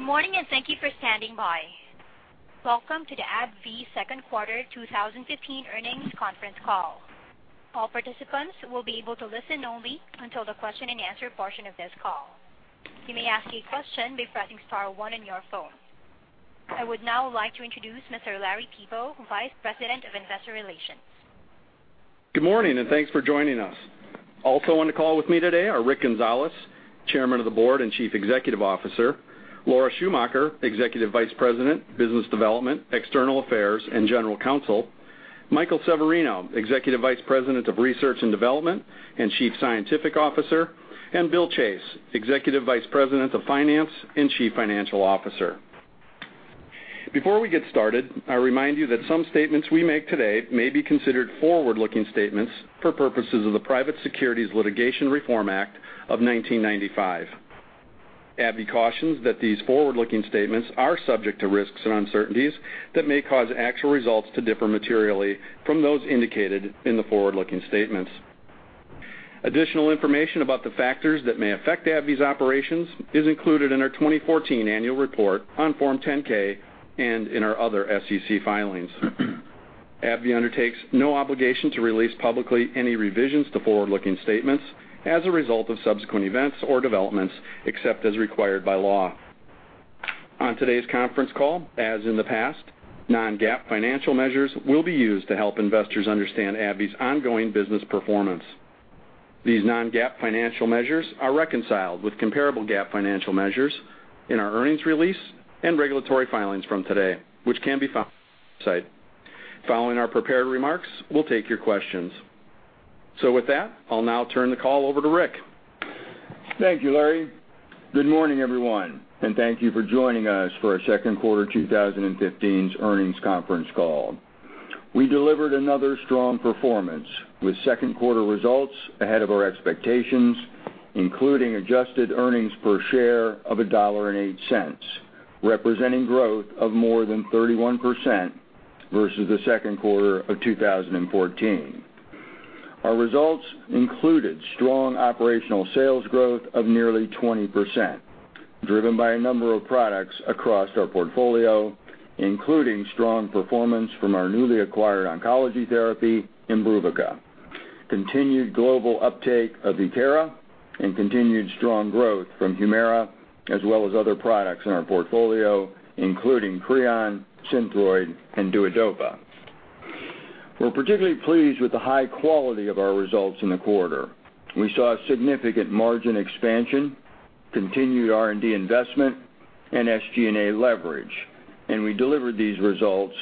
Good morning, and thank you for standing by. Welcome to the AbbVie Second Quarter 2015 Earnings Conference Call. All participants will be able to listen only until the question and answer portion of this call. You may ask a question by pressing star one on your phone. I would now like to introduce Mr. Larry Peepo, Vice President of Investor Relations. Good morning, and thanks for joining us. Also on the call with me today are Rick Gonzalez, Chairman of the Board and Chief Executive Officer. Laura Schumacher, Executive Vice President, Business Development, External Affairs, and General Counsel. Michael Severino, Executive Vice President of Research and Development and Chief Scientific Officer, and Bill Chase, Executive Vice President of Finance and Chief Financial Officer. Before we get started, I remind you that some statements we make today may be considered forward-looking statements for purposes of the Private Securities Litigation Reform Act of 1995. AbbVie cautions that these forward-looking statements are subject to risks and uncertainties that may cause actual results to differ materially from those indicated in the forward-looking statements. Additional information about the factors that may affect AbbVie's operations is included in our 2014 annual report on Form 10-K and in our other SEC filings. AbbVie undertakes no obligation to release publicly any revisions to forward-looking statements as a result of subsequent events or developments, except as required by law. On today's conference call, as in the past, non-GAAP financial measures will be used to help investors understand AbbVie's ongoing business performance. These non-GAAP financial measures are reconciled with comparable GAAP financial measures in our earnings release and regulatory filings from today, which can be found on our website. Following our prepared remarks, we'll take your questions. With that, I'll now turn the call over to Rick. Thank you, Larry. Good morning, everyone, and thank you for joining us for our Second Quarter 2015's Earnings Conference Call. We delivered another strong performance with second quarter results ahead of our expectations, including adjusted earnings per share of $1.08, representing growth of more than 31% versus the second quarter of 2014. Our results included strong operational sales growth of nearly 20%, driven by a number of products across our portfolio, including strong performance from our newly acquired oncology therapy, IMBRUVICA, continued global uptake of VIEKIRA, and continued strong growth from HUMIRA, as well as other products in our portfolio, including CREON, SYNTHROID, and DUODOPA. We're particularly pleased with the high quality of our results in the quarter. We saw a significant margin expansion, continued R&D investment, and SG&A leverage, and we delivered these results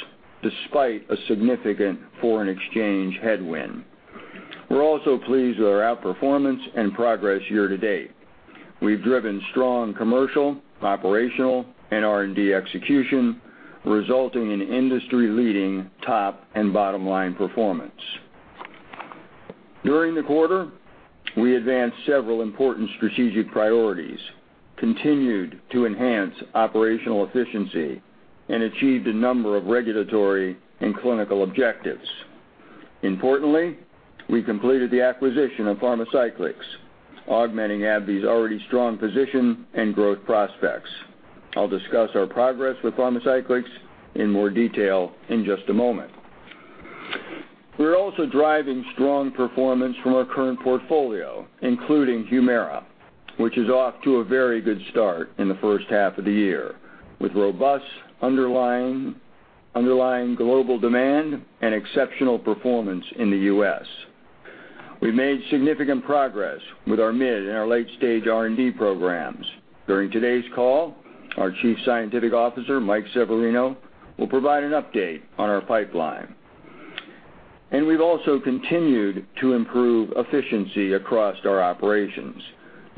despite a significant foreign exchange headwind. We're also pleased with our outperformance and progress year-to-date. We've driven strong commercial, operational, and R&D execution, resulting in industry-leading top and bottom-line performance. During the quarter, we advanced several important strategic priorities, continued to enhance operational efficiency, and achieved a number of regulatory and clinical objectives. Importantly, we completed the acquisition of Pharmacyclics, augmenting AbbVie's already strong position and growth prospects. I'll discuss our progress with Pharmacyclics in more detail in just a moment. We're also driving strong performance from our current portfolio, including HUMIRA, which is off to a very good start in the first half of the year, with robust underlying global demand and exceptional performance in the U.S. We've made significant progress with our mid and our late-stage R&D programs. During today's call, our Chief Scientific Officer, Michael Severino, will provide an update on our pipeline. We've also continued to improve efficiency across our operations,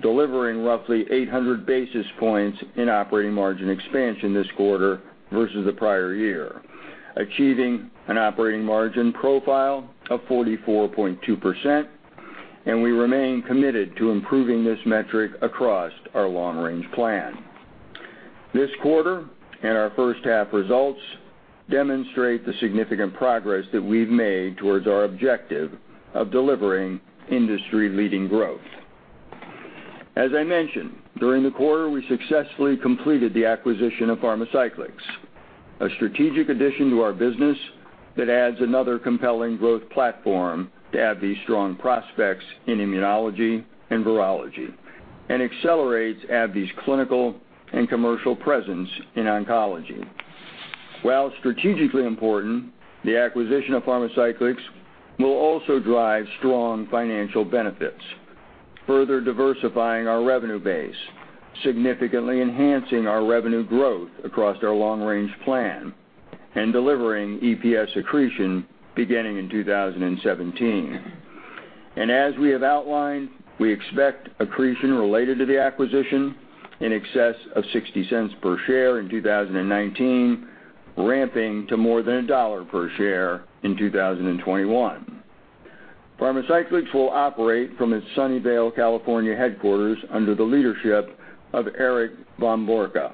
delivering roughly 800 basis points in operating margin expansion this quarter versus the prior year, achieving an operating margin profile of 44.2%. We remain committed to improving this metric across our long-range plan. This quarter and our first half results demonstrate the significant progress that we've made towards our objective of delivering industry-leading growth. As I mentioned, during the quarter, we successfully completed the acquisition of Pharmacyclics, a strategic addition to our business that adds another compelling growth platform to AbbVie's strong prospects in immunology and virology, accelerates AbbVie's clinical and commercial presence in oncology. While strategically important, the acquisition of Pharmacyclics will also drive strong financial benefits, further diversifying our revenue base, significantly enhancing our revenue growth across our long-range plan, delivering EPS accretion beginning in 2017. As we have outlined, we expect accretion related to the acquisition in excess of $0.60 per share in 2019, ramping to more than $1 per share in 2021. Pharmacyclics will operate from its Sunnyvale, California headquarters under the leadership of Erik von Borcke.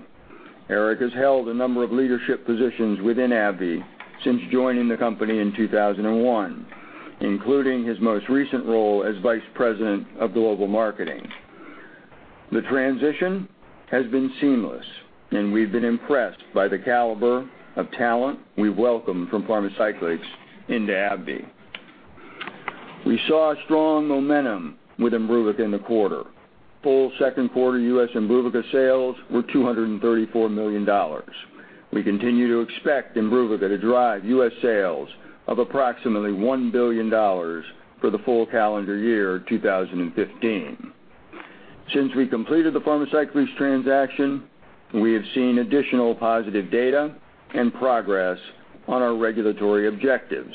Eric has held a number of leadership positions within AbbVie since joining the company in 2001, including his most recent role as vice president of global marketing. The transition has been seamless. We've been impressed by the caliber of talent we've welcomed from Pharmacyclics into AbbVie. We saw strong momentum with IMBRUVICA in the quarter. Full second quarter U.S. IMBRUVICA sales were $234 million. We continue to expect IMBRUVICA to drive U.S. sales of approximately $1 billion for the full calendar year 2015. Since we completed the Pharmacyclics transaction, we have seen additional positive data and progress on our regulatory objectives,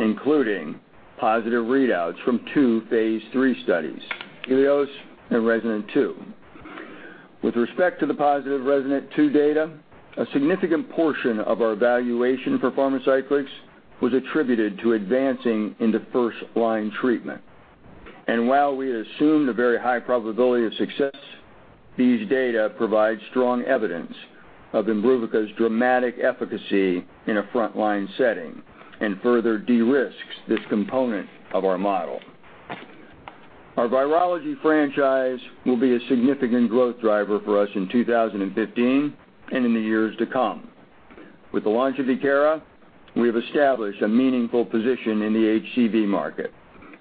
including positive readouts from two phase III studies, HELIOS and RESONATE-2. With respect to the positive RESONATE-2 data, a significant portion of our valuation for Pharmacyclics was attributed to advancing into first-line treatment. While we had assumed a very high probability of success, these data provide strong evidence of IMBRUVICA's dramatic efficacy in a frontline setting and further de-risks this component of our model. Our virology franchise will be a significant growth driver for us in 2015 and in the years to come. With the launch of VIEKIRA, we have established a meaningful position in the HCV market.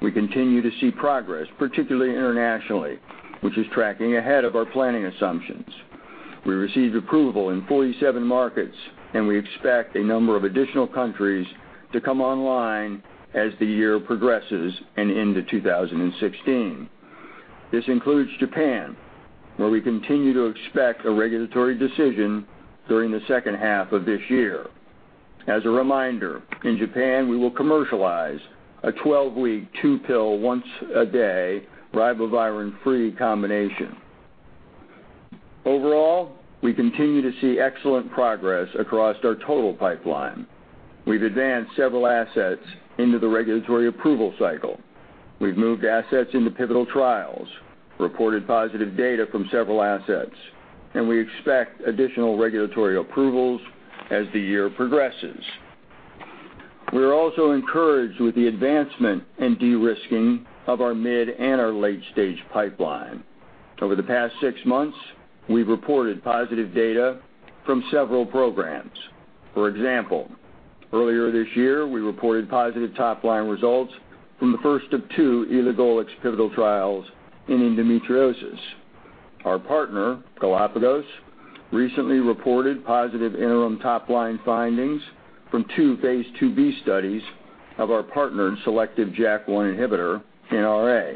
We continue to see progress, particularly internationally, which is tracking ahead of our planning assumptions. We received approval in 47 markets, we expect a number of additional countries to come online as the year progresses and into 2016. This includes Japan, where we continue to expect a regulatory decision during the second half of this year. As a reminder, in Japan, we will commercialize a 12-week, two-pill, once-a-day ribavirin-free combination. Overall, we continue to see excellent progress across our total pipeline. We've advanced several assets into the regulatory approval cycle. We've moved assets into pivotal trials, reported positive data from several assets, and we expect additional regulatory approvals as the year progresses. We are also encouraged with the advancement and de-risking of our mid and our late-stage pipeline. Over the past six months, we've reported positive data from several programs. For example, earlier this year, we reported positive top-line results from the first of two elagolix pivotal trials in endometriosis. Our partner, Galapagos, recently reported positive interim top-line findings from two phase II-B studies of our partner selective JAK1 inhibitor in RA.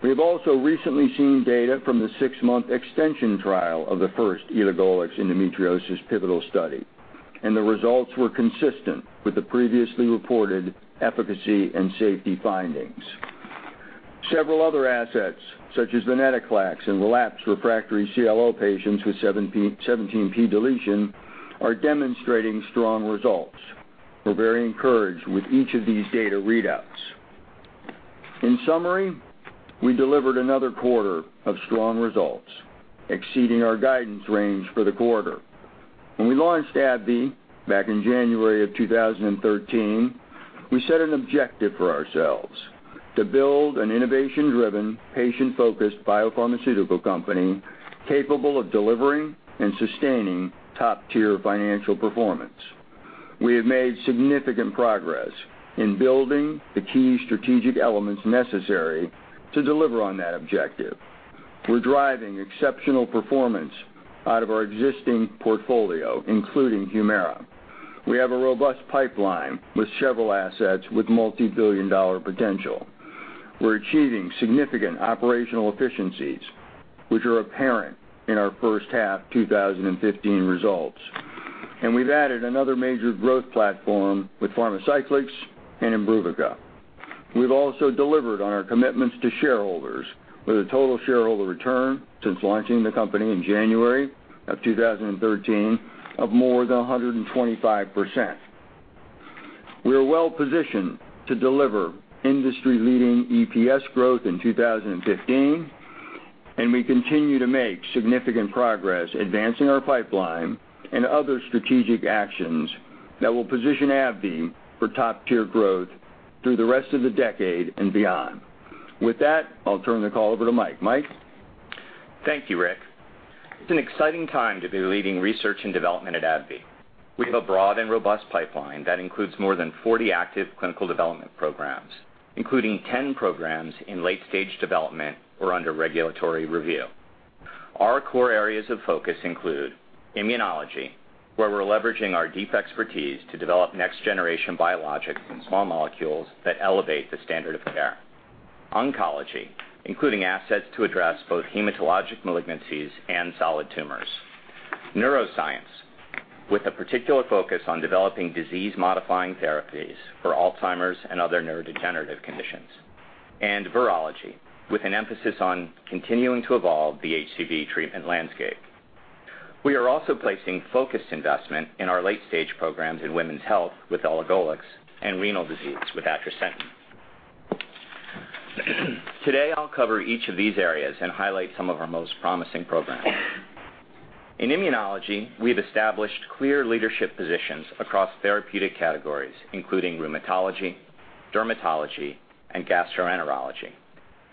We have also recently seen data from the six-month extension trial of the first elagolix endometriosis pivotal study, and the results were consistent with the previously reported efficacy and safety findings. Several other assets, such as venetoclax in relapsed/refractory CLL patients with 17p deletion, are demonstrating strong results. We're very encouraged with each of these data readouts. In summary, we delivered another quarter of strong results, exceeding our guidance range for the quarter. When we launched AbbVie back in January of 2013, we set an objective for ourselves to build an innovation-driven, patient-focused biopharmaceutical company capable of delivering and sustaining top-tier financial performance. We're driving exceptional performance out of our existing portfolio, including HUMIRA. We have a robust pipeline with several assets with multibillion-dollar potential. We're achieving significant operational efficiencies, which are apparent in our first half 2015 results. We've added another major growth platform with Pharmacyclics and IMBRUVICA. We've also delivered on our commitments to shareholders with a total shareholder return since launching the company in January of 2013 of more than 125%. We are well-positioned to deliver industry-leading EPS growth in 2015, and we continue to make significant progress advancing our pipeline and other strategic actions that will position AbbVie for top-tier growth through the rest of the decade and beyond. With that, I'll turn the call over to Mike. Mike? Thank you, Rick. It's an exciting time to be leading research and development at AbbVie. We have a broad and robust pipeline that includes more than 40 active clinical development programs, including 10 programs in late-stage development or under regulatory review. Our core areas of focus include immunology, where we're leveraging our deep expertise to develop next-generation biologics and small molecules that elevate the standard of care. Oncology, including assets to address both hematologic malignancies and solid tumors. Neuroscience, with a particular focus on developing disease-modifying therapies for Alzheimer's and other neurodegenerative conditions. Virology, with an emphasis on continuing to evolve the HCV treatment landscape. We are also placing focused investment in our late-stage programs in women's health with elagolix and renal disease with atrasentan. Today, I'll cover each of these areas and highlight some of our most promising programs. In immunology, we've established clear leadership positions across therapeutic categories, including rheumatology, dermatology, and gastroenterology.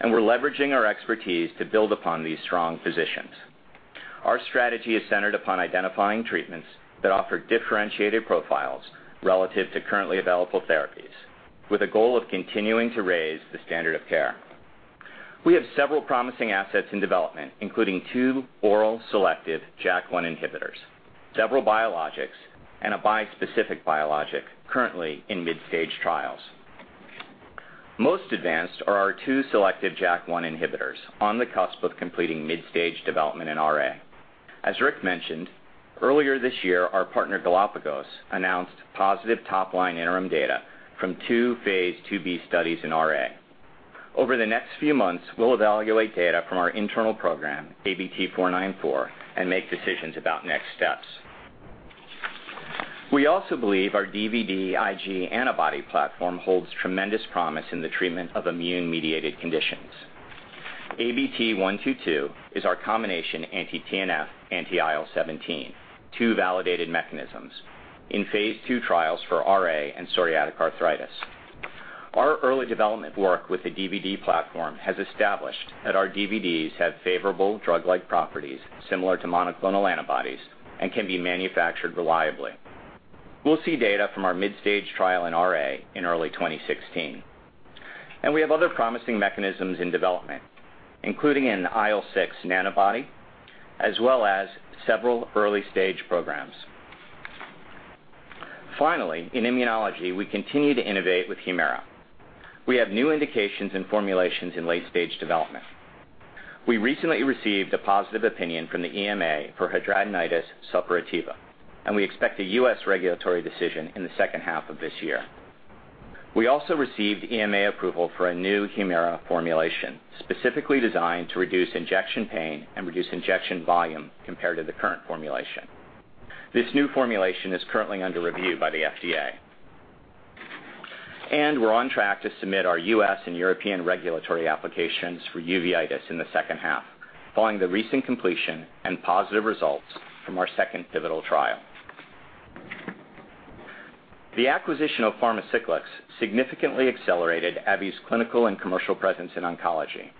We're leveraging our expertise to build upon these strong positions. Our strategy is centered upon identifying treatments that offer differentiated profiles relative to currently available therapies, with a goal of continuing to raise the standard of care. We have several promising assets in development, including two oral selective JAK1 inhibitors, several biologics, and a bispecific biologic currently in midstage trials. Most advanced are our two selective JAK1 inhibitors on the cusp of completing midstage development in RA. As Rick mentioned, earlier this year, our partner Galapagos announced positive top-line interim data from two phase II-B studies in RA. Over the next few months, we'll evaluate data from our internal program, ABT-494, and make decisions about next steps. We also believe our DVD-Ig antibody platform holds tremendous promise in the treatment of immune-mediated conditions. ABT-122 is our combination anti-TNF, anti-IL-17, two validated mechanisms, in phase II trials for RA and psoriatic arthritis. Our early development work with the DVD platform has established that our DVDs have favorable drug-like properties similar to monoclonal antibodies and can be manufactured reliably. We'll see data from our midstage trial in RA in early 2016. We have other promising mechanisms in development, including an IL-6 nanobody, as well as several early-stage programs. Finally, in immunology, we continue to innovate with HUMIRA. We have new indications and formulations in late-stage development. We recently received a positive opinion from the EMA for hidradenitis suppurativa, and we expect a U.S. regulatory decision in the second half of this year. We also received EMA approval for a new HUMIRA formulation, specifically designed to reduce injection pain and reduce injection volume compared to the current formulation. This new formulation is currently under review by the FDA. We're on track to submit our U.S. and European regulatory applications for uveitis in the second half, following the recent completion and positive results from our second pivotal trial. The acquisition of Pharmacyclics significantly accelerated AbbVie's clinical and commercial presence in oncology.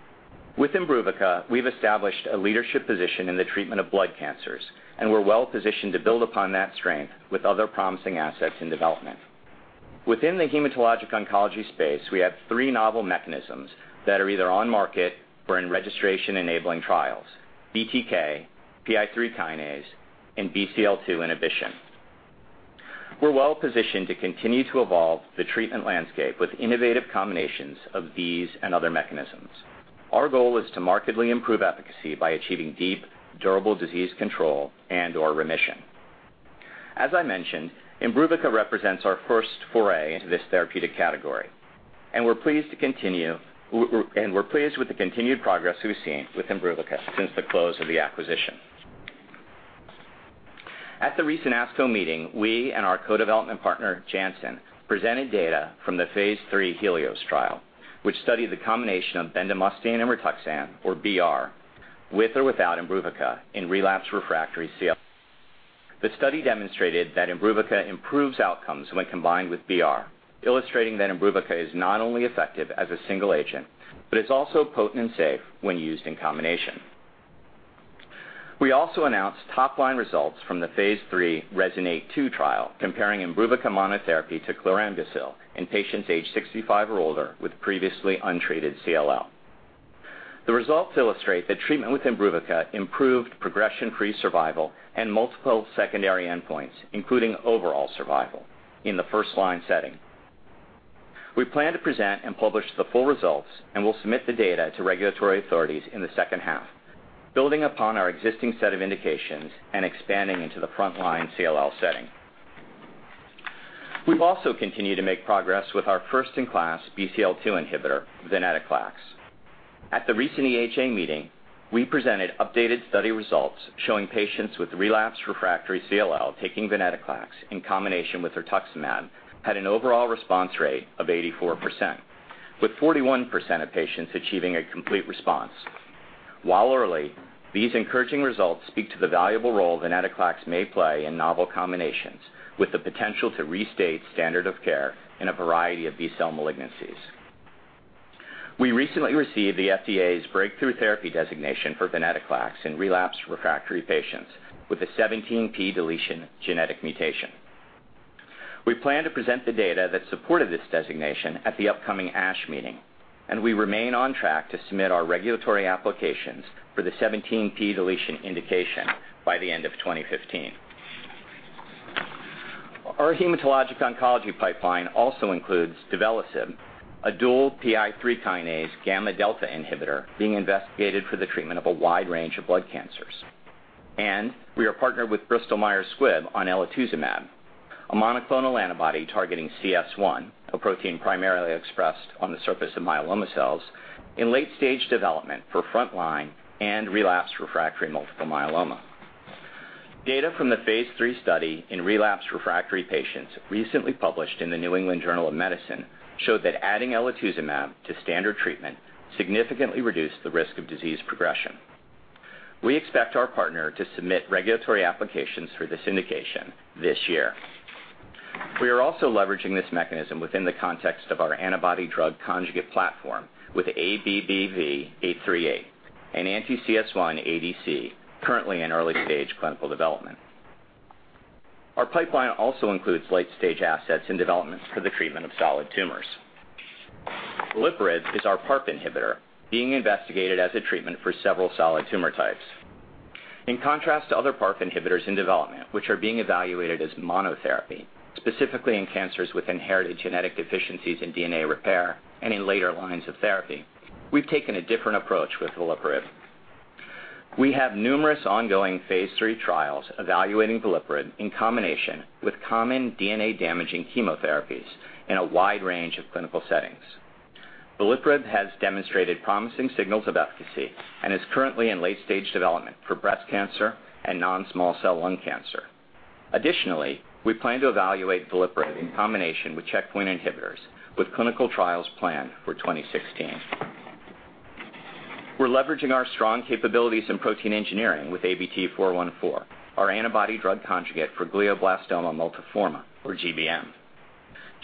With IMBRUVICA, we've established a leadership position in the treatment of blood cancers, and we're well-positioned to build upon that strength with other promising assets in development. Within the hematologic oncology space, we have three novel mechanisms that are either on market or in registration-enabling trials: BTK, PI3-kinase, and BCL-2 inhibition. We're well-positioned to continue to evolve the treatment landscape with innovative combinations of these and other mechanisms. Our goal is to markedly improve efficacy by achieving deep, durable disease control and/or remission. As I mentioned, IMBRUVICA represents our first foray into this therapeutic category. We're pleased with the continued progress we've seen with IMBRUVICA since the close of the acquisition. At the recent ASCO meeting, we and our co-development partner, Janssen, presented data from the phase III HELIOS trial, which studied the combination of bendamustine and Rituxan, or BR, with or without IMBRUVICA in relapsed/refractory CLL. The study demonstrated that IMBRUVICA improves outcomes when combined with BR, illustrating that IMBRUVICA is not only effective as a single agent, but is also potent and safe when used in combination. We also announced top-line results from the phase III RESONATE-2 trial comparing IMBRUVICA monotherapy to chlorambucil in patients aged 65 or older with previously untreated CLL. The results illustrate that treatment with IMBRUVICA improved progression-free survival and multiple secondary endpoints, including overall survival in the first-line setting. We plan to present and publish the full results. We will submit the data to regulatory authorities in the second half, building upon our existing set of indications and expanding into the frontline CLL setting. We've also continued to make progress with our first-in-class BCL-2 inhibitor, venetoclax. At the recent EHA meeting, we presented updated study results showing patients with relapsed/refractory CLL taking venetoclax in combination with rituximab had an overall response rate of 84%, with 41% of patients achieving a complete response. While early, these encouraging results speak to the valuable role venetoclax may play in novel combinations, with the potential to restate standard of care in a variety of B-cell malignancies. We recently received the FDA's breakthrough therapy designation for venetoclax in relapsed/refractory patients with a 17p deletion genetic mutation. We plan to present the data that supported this designation at the upcoming ASH meeting. We remain on track to submit our regulatory applications for the 17p deletion indication by the end of 2015. Our hematologic oncology pipeline also includes duvelisib, a dual PI3-kinase gamma/delta inhibitor being investigated for the treatment of a wide range of blood cancers. We are partnered with Bristol Myers Squibb on elotuzumab, a monoclonal antibody targeting CS1, a protein primarily expressed on the surface of myeloma cells, in late-stage development for frontline and relapsed/refractory multiple myeloma. Data from the phase III study in relapsed refractory patients recently published in the New England Journal of Medicine showed that adding elotuzumab to standard treatment significantly reduced the risk of disease progression. We expect our partner to submit regulatory applications for this indication this year. We are also leveraging this mechanism within the context of our antibody drug conjugate platform with ABBV-838, an anti-CS1 ADC currently in early-stage clinical development. Our pipeline also includes late-stage assets and developments for the treatment of solid tumors. Veliparib is our PARP inhibitor being investigated as a treatment for several solid tumor types. In contrast to other PARP inhibitors in development, which are being evaluated as monotherapy, specifically in cancers with inherited genetic deficiencies in DNA repair and in later lines of therapy, we've taken a different approach with veliparib. We have numerous ongoing phase III trials evaluating veliparib in combination with common DNA-damaging chemotherapies in a wide range of clinical settings. Veliparib has demonstrated promising signals of efficacy and is currently in late-stage development for breast cancer and non-small cell lung cancer. Additionally, we plan to evaluate veliparib in combination with checkpoint inhibitors, with clinical trials planned for 2016. We're leveraging our strong capabilities in protein engineering with ABT-414, our antibody drug conjugate for glioblastoma multiforme, or GBM.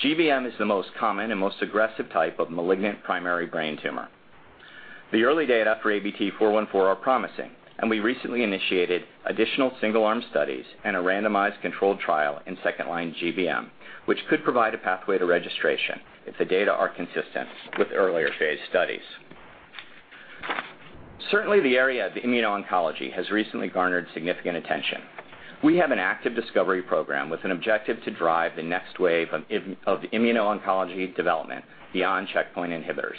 GBM is the most common and most aggressive type of malignant primary brain tumor. The early data for ABT-414 are promising. We recently initiated additional single-arm studies and a randomized controlled trial in second-line GBM, which could provide a pathway to registration if the data are consistent with earlier phase studies. Certainly, the area of immuno-oncology has recently garnered significant attention. We have an active discovery program with an objective to drive the next wave of immuno-oncology development beyond checkpoint inhibitors.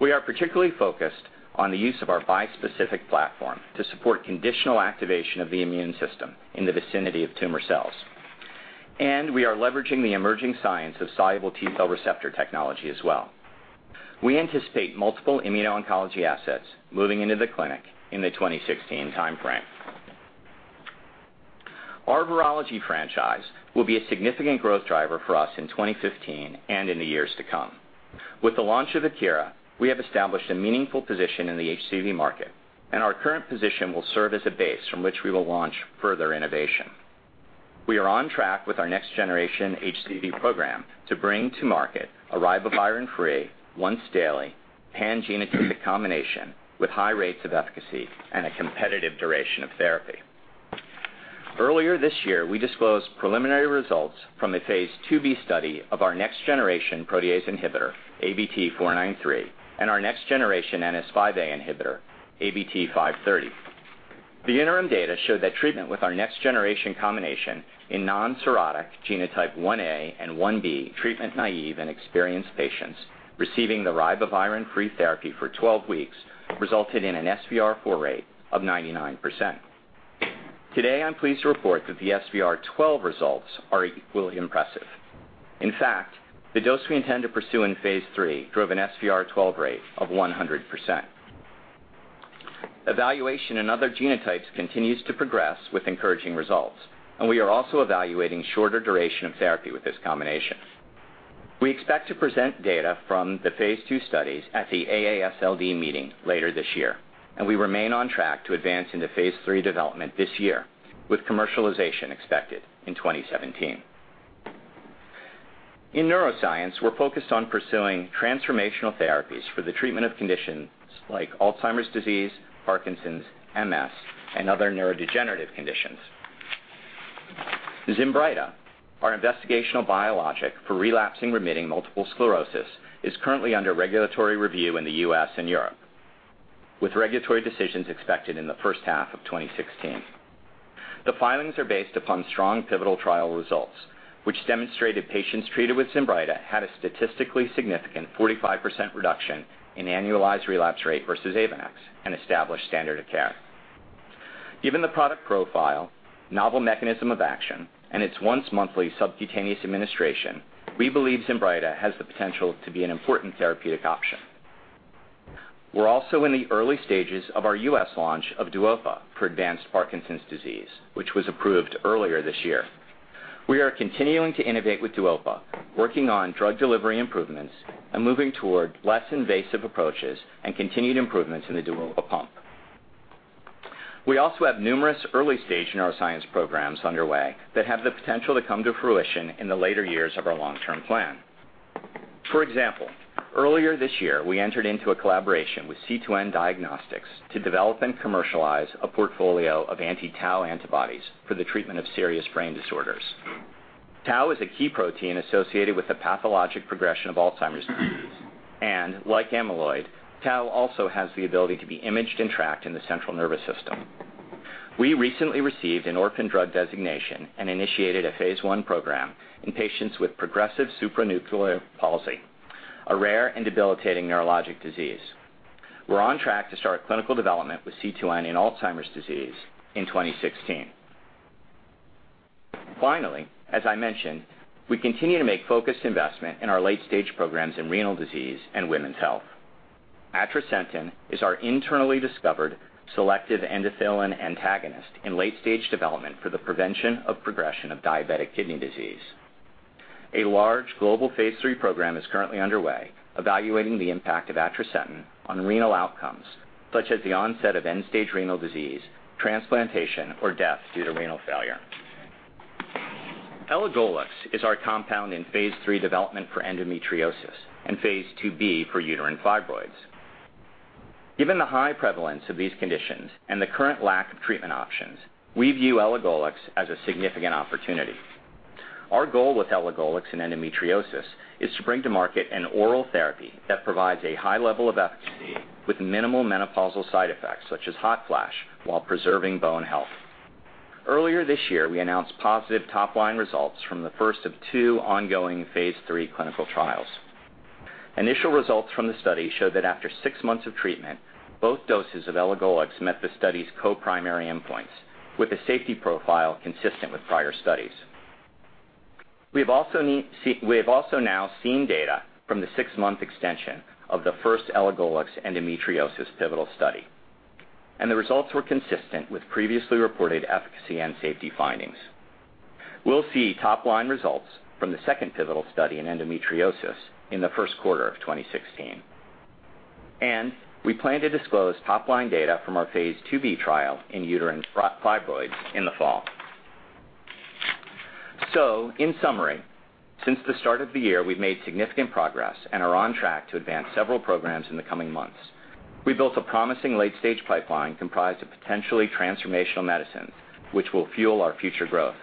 We are particularly focused on the use of our bispecific platform to support conditional activation of the immune system in the vicinity of tumor cells. We are leveraging the emerging science of soluble T cell receptor technology as well. We anticipate multiple immuno-oncology assets moving into the clinic in the 2016 timeframe. Our virology franchise will be a significant growth driver for us in 2015 and in the years to come. With the launch of VIEKIRA, we have established a meaningful position in the HCV market, and our current position will serve as a base from which we will launch further innovation. We are on track with our next-generation HCV program to bring to market a ribavirin-free, once-daily pan-genotypic combination with high rates of efficacy and a competitive duration of therapy. Earlier this year, we disclosed preliminary results from the phase II-B study of our next-generation protease inhibitor, ABT-493, and our next generation NS5A inhibitor, ABT-530. The interim data showed that treatment with our next-generation combination in non-cirrhotic genotype 1a and 1b treatment naive and experienced patients receiving the ribavirin-free therapy for 12 weeks resulted in an SVR4 rate of 99%. Today, I'm pleased to report that the SVR12 results are equally impressive. In fact, the dose we intend to pursue in phase III drove an SVR12 rate of 100%. Evaluation in other genotypes continues to progress with encouraging results, and we are also evaluating shorter duration of therapy with this combination. We expect to present data from the phase II studies at the AASLD meeting later this year, and we remain on track to advance into phase III development this year, with commercialization expected in 2017. In neuroscience, we're focused on pursuing transformational therapies for the treatment of conditions like Alzheimer's disease, Parkinson's, MS, and other neurodegenerative conditions. ZINBRYTA, our investigational biologic for relapsing remitting multiple sclerosis, is currently under regulatory review in the U.S. and Europe, with regulatory decisions expected in the first half of 2016. The filings are based upon strong pivotal trial results, which demonstrated patients treated with ZINBRYTA had a statistically significant 45% reduction in annualized relapse rate versus AVONEX, an established standard of care. Given the product profile, novel mechanism of action, and its once-monthly subcutaneous administration, we believe ZINBRYTA has the potential to be an important therapeutic option. We're also in the early stages of our U.S. launch of DUOPA for advanced Parkinson's disease, which was approved earlier this year. We are continuing to innovate with DUOPA, working on drug delivery improvements and moving toward less invasive approaches and continued improvements in the DUOPA pump. We also have numerous early-stage neuroscience programs underway that have the potential to come to fruition in the later years of our long-term plan. For example, earlier this year, we entered into a collaboration with C2N Diagnostics to develop and commercialize a portfolio of anti-tau antibodies for the treatment of serious brain disorders. Tau is a key protein associated with the pathologic progression of Alzheimer's disease. Like amyloid, tau also has the ability to be imaged and tracked in the central nervous system. We recently received an orphan drug designation and initiated a phase I program in patients with progressive supranuclear palsy, a rare and debilitating neurologic disease. We're on track to start clinical development with C2N in Alzheimer's disease in 2016. Finally, as I mentioned, we continue to make focused investment in our late-stage programs in renal disease and women's health. atrasentan is our internally discovered selective endothelin antagonist in late stage development for the prevention of progression of diabetic kidney disease. A large global phase III program is currently underway, evaluating the impact of atrasentan on renal outcomes such as the onset of end-stage renal disease, transplantation, or death due to renal failure. elagolix is our compound in phase III development for endometriosis, and phase II-B for uterine fibroids. Given the high prevalence of these conditions and the current lack of treatment options, we view elagolix as a significant opportunity. Our goal with elagolix and endometriosis is to bring to market an oral therapy that provides a high level of efficacy with minimal menopausal side effects, such as hot flash, while preserving bone health. Earlier this year, we announced positive top-line results from the first of two ongoing phase III clinical trials. Initial results from the study show that after 6 months of treatment, both doses of elagolix met the study's co-primary endpoints with a safety profile consistent with prior studies. We have also now seen data from the 6-month extension of the first elagolix endometriosis pivotal study, and the results were consistent with previously reported efficacy and safety findings. We'll see top-line results from the second pivotal study in endometriosis in the first quarter of 2016, and we plan to disclose top-line data from our phase II-B trial in uterine fibroids in the fall. In summary, since the start of the year, we've made significant progress and are on track to advance several programs in the coming months. We've built a promising late-stage pipeline comprised of potentially transformational medicines, which will fuel our future growth.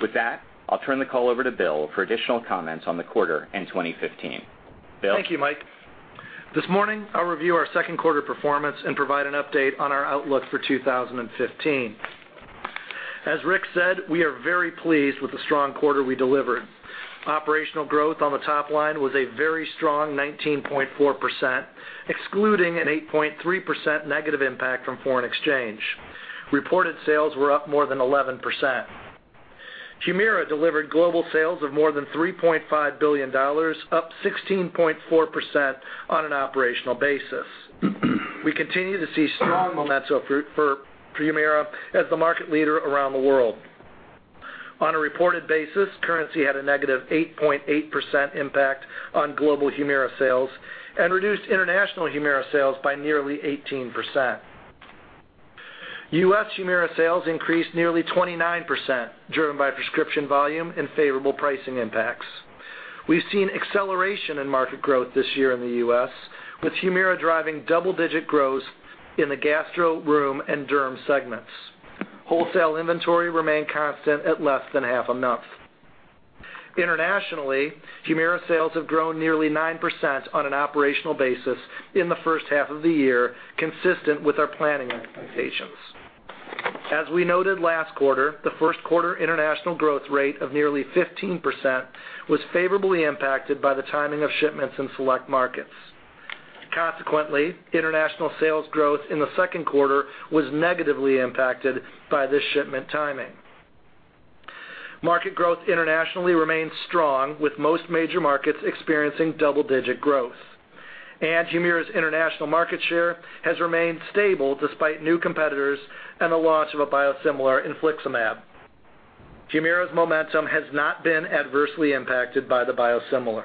With that, I'll turn the call over to Bill for additional comments on the quarter in 2015. Bill? Thank you, Mike. This morning I'll review our second quarter performance and provide an update on our outlook for 2015. As Rick said, we are very pleased with the strong quarter we delivered. Operational growth on the top line was a very strong 19.4%, excluding an 8.3% negative impact from foreign exchange. Reported sales were up more than 11%. HUMIRA delivered global sales of more than $3.5 billion, up 16.4% on an operational basis. We continue to see strong momentum for HUMIRA as the market leader around the world. On a reported basis, currency had a negative 8.8% impact on global HUMIRA sales and reduced international HUMIRA sales by nearly 18%. U.S. HUMIRA sales increased nearly 29%, driven by prescription volume and favorable pricing impacts. We've seen acceleration in market growth this year in the U.S., with HUMIRA driving double-digit growth in the gastro, rheum, and derm segments. Wholesale inventory remained constant at less than half a month. Internationally, HUMIRA sales have grown nearly 9% on an operational basis in the first half of the year, consistent with our planning expectations. As we noted last quarter, the first quarter international growth rate of nearly 15% was favorably impacted by the timing of shipments in select markets. Consequently, international sales growth in the second quarter was negatively impacted by this shipment timing. Market growth internationally remains strong, with most major markets experiencing double-digit growth. HUMIRA's international market share has remained stable despite new competitors and the launch of a biosimilar infliximab. HUMIRA's momentum has not been adversely impacted by the biosimilar.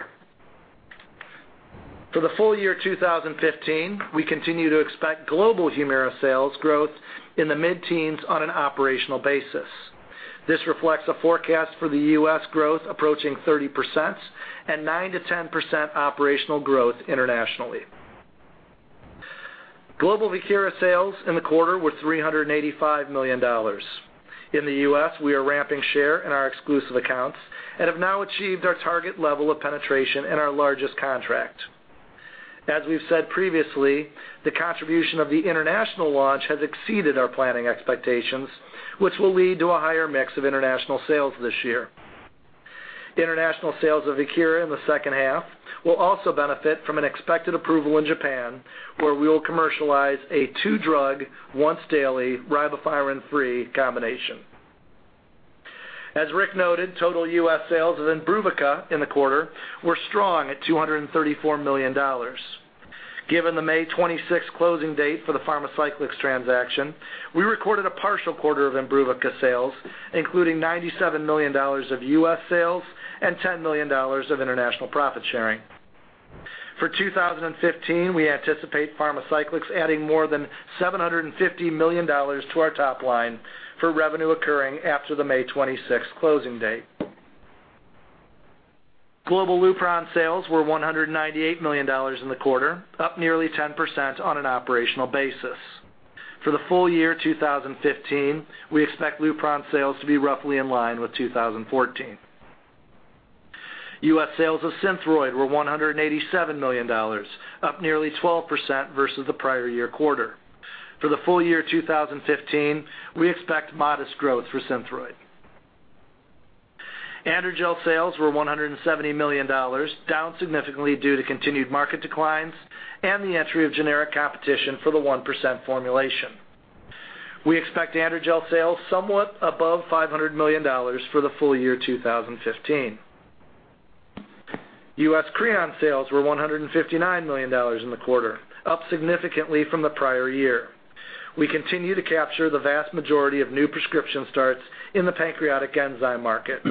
For the full year 2015, we continue to expect global HUMIRA sales growth in the mid-teens on an operational basis. This reflects a forecast for the U.S. growth approaching 30% and 9%-10% operational growth internationally. Global VIEKIRA sales in the quarter were $385 million. In the U.S., we are ramping share in our exclusive accounts and have now achieved our target level of penetration in our largest contract. As we've said previously, the contribution of the international launch has exceeded our planning expectations, which will lead to a higher mix of international sales this year. International sales of VIEKIRA in the second half will also benefit from an expected approval in Japan, where we will commercialize a two-drug, once-daily, ribavirin-free combination. As Rick noted, total U.S. sales of IMBRUVICA in the quarter were strong at $234 million. Given the May 26th closing date for the Pharmacyclics transaction, we recorded a partial quarter of IMBRUVICA sales, including $97 million of U.S. sales and $10 million of international profit-sharing. For 2015, we anticipate Pharmacyclics adding more than $750 million to our top line for revenue occurring after the May 26th closing date. Global LUPRON sales were $198 million in the quarter, up nearly 10% on an operational basis. For the full year 2015, we expect LUPRON sales to be roughly in line with 2014. U.S. sales of SYNTHROID were $187 million, up nearly 12% versus the prior year quarter. For the full year 2015, we expect modest growth for SYNTHROID. AndroGel sales were $170 million, down significantly due to continued market declines and the entry of generic competition for the 1% formulation. We expect AndroGel sales somewhat above $500 million for the full year 2015. U.S. CREON sales were $159 million in the quarter, up significantly from the prior year. We continue to capture the vast majority of new prescription starts in the pancreatic enzyme market.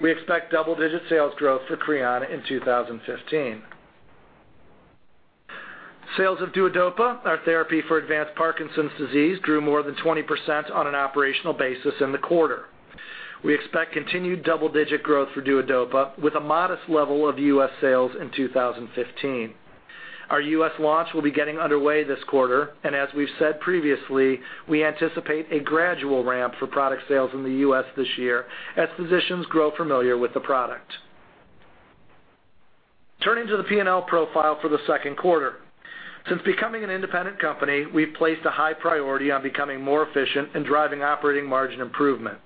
We expect double-digit sales growth for CREON in 2015. Sales of DUODOPA, our therapy for advanced Parkinson's disease, grew more than 20% on an operational basis in the quarter. We expect continued double-digit growth for DUODOPA with a modest level of U.S. sales in 2015. Our U.S. launch will be getting underway this quarter, and as we've said previously, we anticipate a gradual ramp for product sales in the U.S. this year as physicians grow familiar with the product. Turning to the P&L profile for the second quarter. Since becoming an independent company, we've placed a high priority on becoming more efficient and driving operating margin improvement.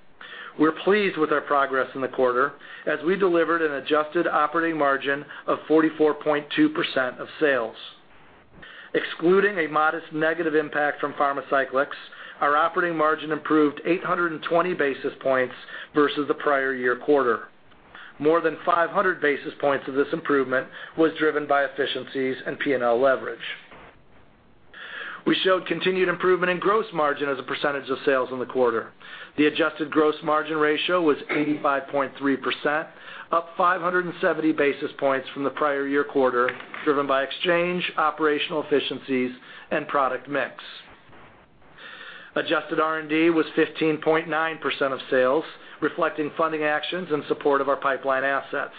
We're pleased with our progress in the quarter, as we delivered an adjusted operating margin of 44.2% of sales. Excluding a modest negative impact from Pharmacyclics, our operating margin improved 820 basis points versus the prior year quarter. More than 500 basis points of this improvement was driven by efficiencies and P&L leverage. We showed continued improvement in gross margin as a percentage of sales in the quarter. The adjusted gross margin ratio was 85.3%, up 570 basis points from the prior year quarter, driven by exchange, operational efficiencies, and product mix. Adjusted R&D was 15.9% of sales, reflecting funding actions in support of our pipeline assets.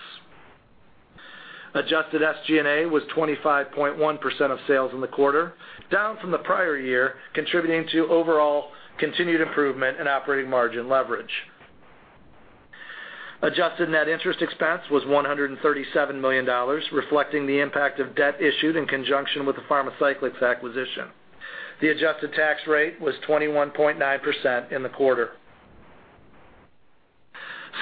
Adjusted SG&A was 25.1% of sales in the quarter, down from the prior year, contributing to overall continued improvement in operating margin leverage. Adjusted net interest expense was $137 million, reflecting the impact of debt issued in conjunction with the Pharmacyclics acquisition. The adjusted tax rate was 21.9% in the quarter.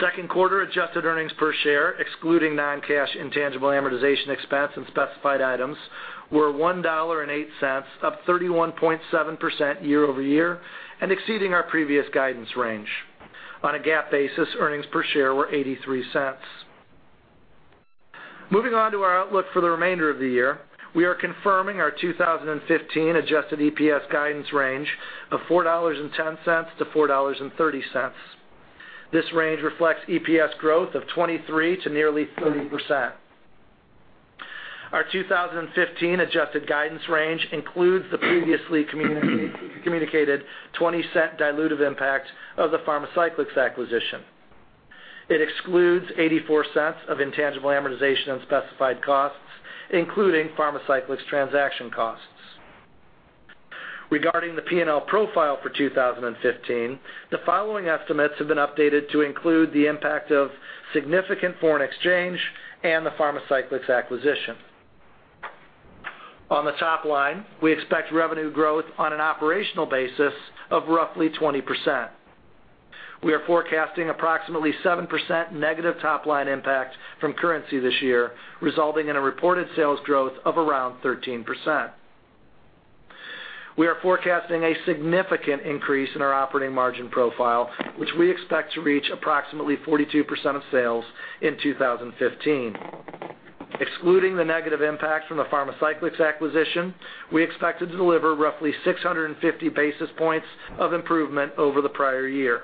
Second quarter adjusted earnings per share, excluding non-cash intangible amortization expense and specified items, were $1.08, up 31.7% year-over-year and exceeding our previous guidance range. On a GAAP basis, earnings per share were $0.83. Moving on to our outlook for the remainder of the year. We are confirming our 2015 adjusted EPS guidance range of $4.10 to $4.30. This range reflects EPS growth of 23% to nearly 30%. Our 2015 adjusted guidance range includes the previously communicated $0.20 dilutive impact of the Pharmacyclics acquisition. It excludes $0.84 of intangible amortization and specified costs, including Pharmacyclics transaction costs. Regarding the P&L profile for 2015, the following estimates have been updated to include the impact of significant foreign exchange and the Pharmacyclics acquisition. On the top line, we expect revenue growth on an operational basis of roughly 20%. We are forecasting approximately 7% negative top-line impact from currency this year, resulting in a reported sales growth of around 13%. We are forecasting a significant increase in our operating margin profile, which we expect to reach approximately 42% of sales in 2015. Excluding the negative impact from the Pharmacyclics acquisition, we expect to deliver roughly 650 basis points of improvement over the prior year.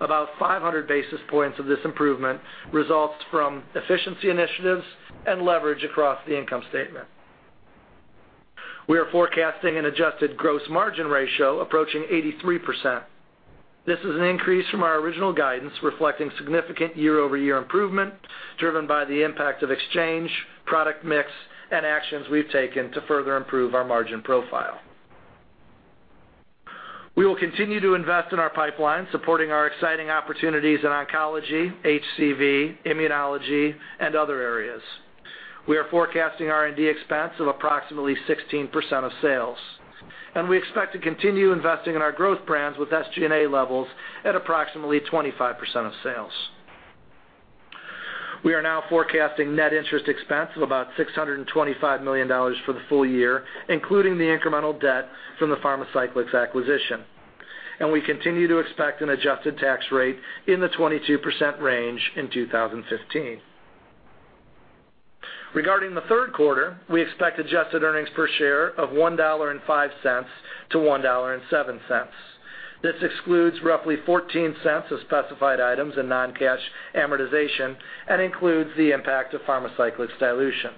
About 500 basis points of this improvement results from efficiency initiatives and leverage across the income statement. We are forecasting an adjusted gross margin ratio approaching 83%. This is an increase from our original guidance, reflecting significant year-over-year improvement driven by the impact of exchange, product mix, and actions we've taken to further improve our margin profile. We will continue to invest in our pipeline, supporting our exciting opportunities in oncology, HCV, immunology, and other areas. We are forecasting R&D expense of approximately 16% of sales, and we expect to continue investing in our growth brands with SG&A levels at approximately 25% of sales. We are now forecasting net interest expense of about $625 million for the full year, including the incremental debt from the Pharmacyclics acquisition. We continue to expect an adjusted tax rate in the 22% range in 2015. Regarding the third quarter, we expect adjusted earnings per share of $1.05 to $1.07. This excludes roughly $0.14 of specified items and non-cash amortization and includes the impact of Pharmacyclics dilution.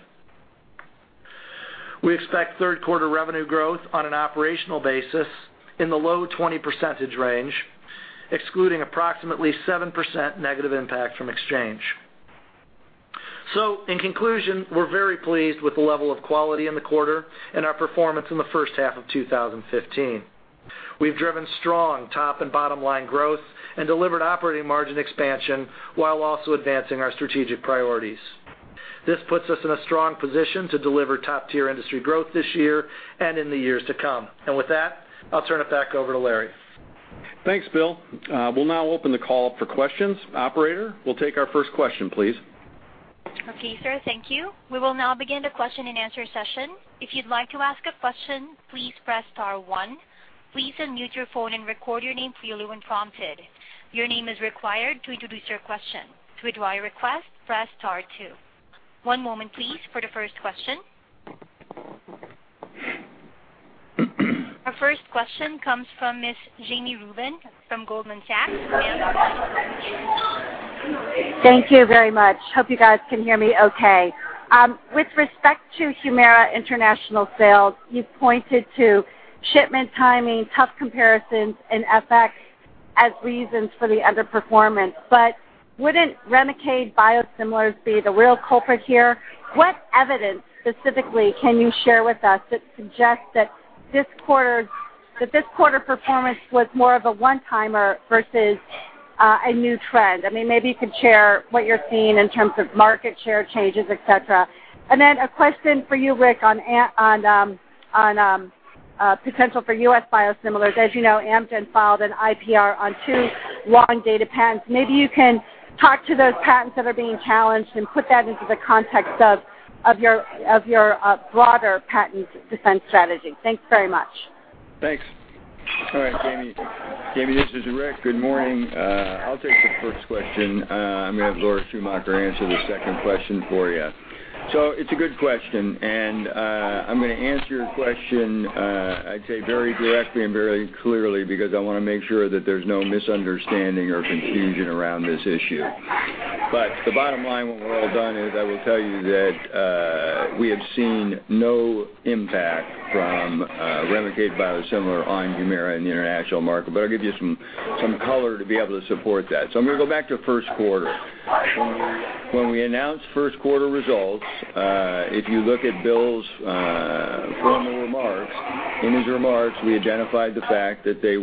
We expect third quarter revenue growth on an operational basis in the low 20% range, excluding approximately 7% negative impact from exchange. In conclusion, we're very pleased with the level of quality in the quarter and our performance in the first half of 2015. We've driven strong top and bottom line growth and delivered operating margin expansion while also advancing our strategic priorities. This puts us in a strong position to deliver top-tier industry growth this year and in the years to come. With that, I'll turn it back over to Larry. Thanks, Bill. We'll now open the call up for questions. Operator, we'll take our first question, please. Okay, sir. Thank you. We will now begin the question and answer session. If you'd like to ask a question, please press star 1. Please unmute your phone and record your name clearly when prompted. Your name is required to introduce your question. To withdraw your request, press star 2. One moment please for the first question. Our first question comes from Miss Jami Rubin from Goldman Sachs. Thank you very much. Hope you guys can hear me okay. With respect to HUMIRA international sales, you've pointed to shipment timing, tough comparisons, and FX as reasons for the underperformance. Wouldn't Remicade biosimilars be the real culprit here? What evidence specifically can you share with us that suggests that this quarter performance was more of a one-timer versus a new trend? Maybe you could share what you're seeing in terms of market share changes, et cetera. Then a question for you, Rick, on potential for U.S. biosimilars. As you know, Amgen filed an IPR on two long data patents. Maybe you can talk to those patents that are being challenged and put that into the context of your broader patent defense strategy. Thanks very much. Thanks. All right, Jami. Jami, this is Rick. Good morning. I'll take the first question. I'm going to have Laura Schumacher answer the second question for you. It's a good question, and I'm going to answer your question, I'd say very directly and very clearly, because I want to make sure that there's no misunderstanding or confusion around this issue. The bottom line, when we're all done is, I will tell you that we have seen no impact from Remicade biosimilar on HUMIRA in the international market. I'll give you some color to be able to support that. I'm going to go back to first quarter. When we announced first quarter results, if you look at Bill's formal remarks, in his remarks, we identified the fact that they